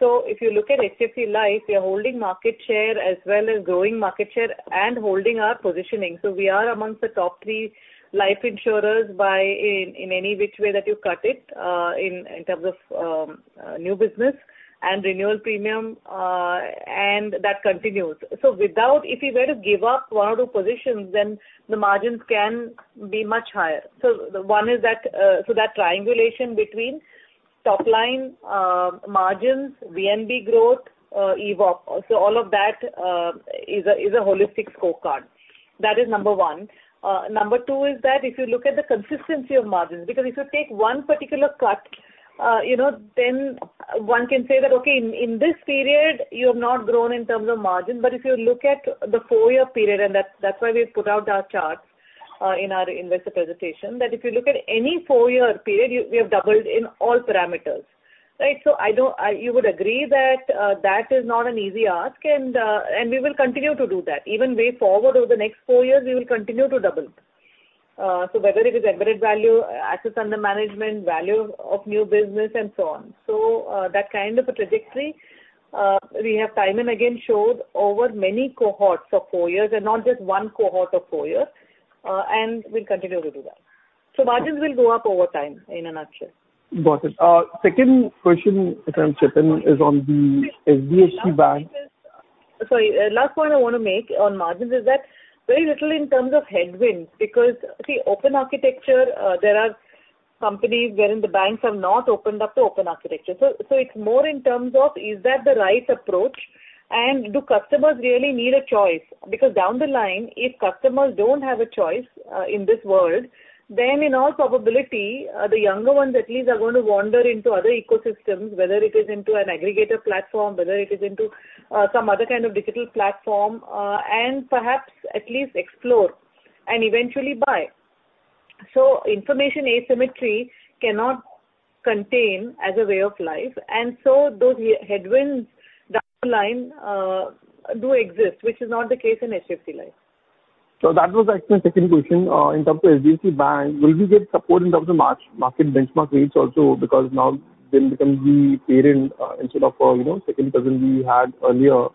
If you look at HDFC Life, we are holding market share as well as growing market share and holding our positioning. We are amongst the top three life insurers by in any which way that you cut it, in terms of new business and renewal premium, and that continues. Without if we were to give up one or two positions, then the margins can be much higher. The one is that triangulation between top line, margins, VNB growth, EVOP. All of that is a holistic scorecard. That is number one. Number two is that if you look at the consistency of margins, because if you take one particular cut, you know, then one can say that, okay, in this period you have not grown in terms of margin, but if you look at the four-year period, and that's why we've put out our charts in our investor presentation, that if you look at any four-year period, we have doubled in all parameters, right? I don't. You would agree that that is not an easy ask and we will continue to do that. Even way forward over the next four years we will continue to double. Whether it is embedded value, assets under management, value of new business and so on. That kind of a trajectory, we have time and again showed over many cohorts of four years and not just one cohort of four years, and we'll continue to do that. Margins will go up over time in a nutshell. Got it. Second question, if I may chip in, is on the HDFC Bank. Sorry, last point I wanna make on margins is that very little in terms of headwinds because see, open architecture, there are companies wherein the banks have not opened up to open architecture. It's more in terms of is that the right approach and do customers really need a choice? Down the line, if customers don't have a choice, in this world, then in all probability, the younger ones at least are gonna wander into other ecosystems, whether it is into an aggregator platform, whether it is into, some other kind of digital platform, and perhaps at least explore and eventually buy. Information asymmetry cannot contain as a way of life, and so those headwinds down the line, do exist, which is not the case in HDFC Life. That was actually my second question. In terms of HDFC Bank, will you get support in terms of market benchmark rates also because now becomes the parent, instead of, you know, second cousin we had earlier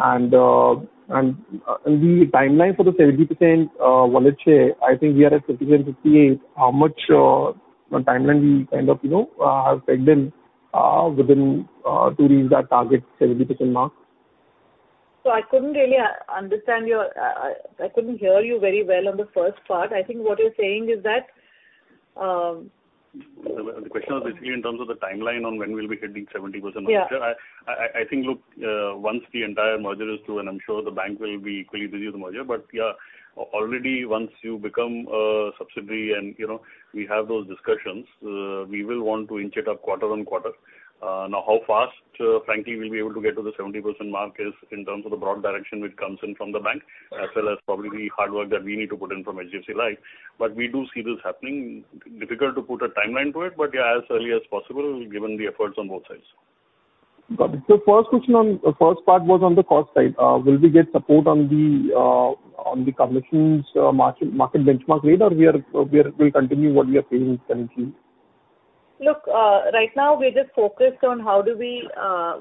and the timeline for the 70% wallet share, I think we are at 50.58%. How much timeline we kind of, you know, have pegged in within to reach that target 70% mark? I couldn't really understand your, I couldn't hear you very well on the first part. I think what you're saying is that. The question was basically in terms of the timeline on when we'll be hitting 70% market share. Yeah. I think, look, once the entire merger is through, and I'm sure the bank will be equally busy with the merger, yeah, already once you become a subsidiary and, you know, we have those discussions, we will want to inch it up quarter on quarter. Now how fast, frankly we'll be able to get to the 70% mark is in terms of the broad direction which comes in from the bank, as well as probably the hard work that we need to put in from HDFC Life. We do see this happening. Difficult to put a timeline to it, yeah, as early as possible given the efforts on both sides. Got it. First question on, first part was on the cost side. Will we get support on the on the commissions market benchmark rate or we'll continue what we are paying currently? Look, right now we're just focused on how do we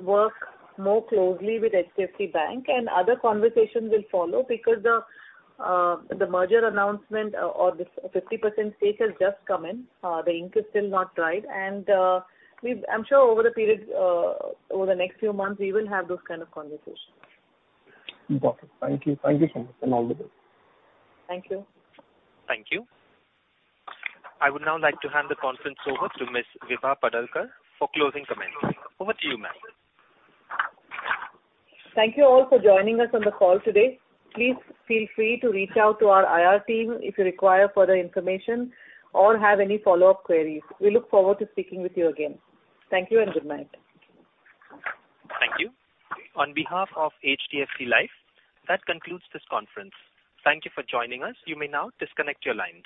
work more closely with HDFC Bank and other conversations will follow because the merger announcement or the 50% stake has just come in. The ink is still not dried and I'm sure over the period, over the next few months, we will have those kind of conversations. Got it. Thank you. Thank you so much, and all the best. Thank you. Thank you. I would now like to hand the conference over to Ms. Vibha Padalkar for closing comments. Over to you, ma'am. Thank you all for joining us on the call today. Please feel free to reach out to our IR team if you require further information or have any follow-up queries. We look forward to speaking with you again. Thank you and good night. Thank you. On behalf of HDFC Life, that concludes this conference. Thank you for joining us. You may now disconnect your lines.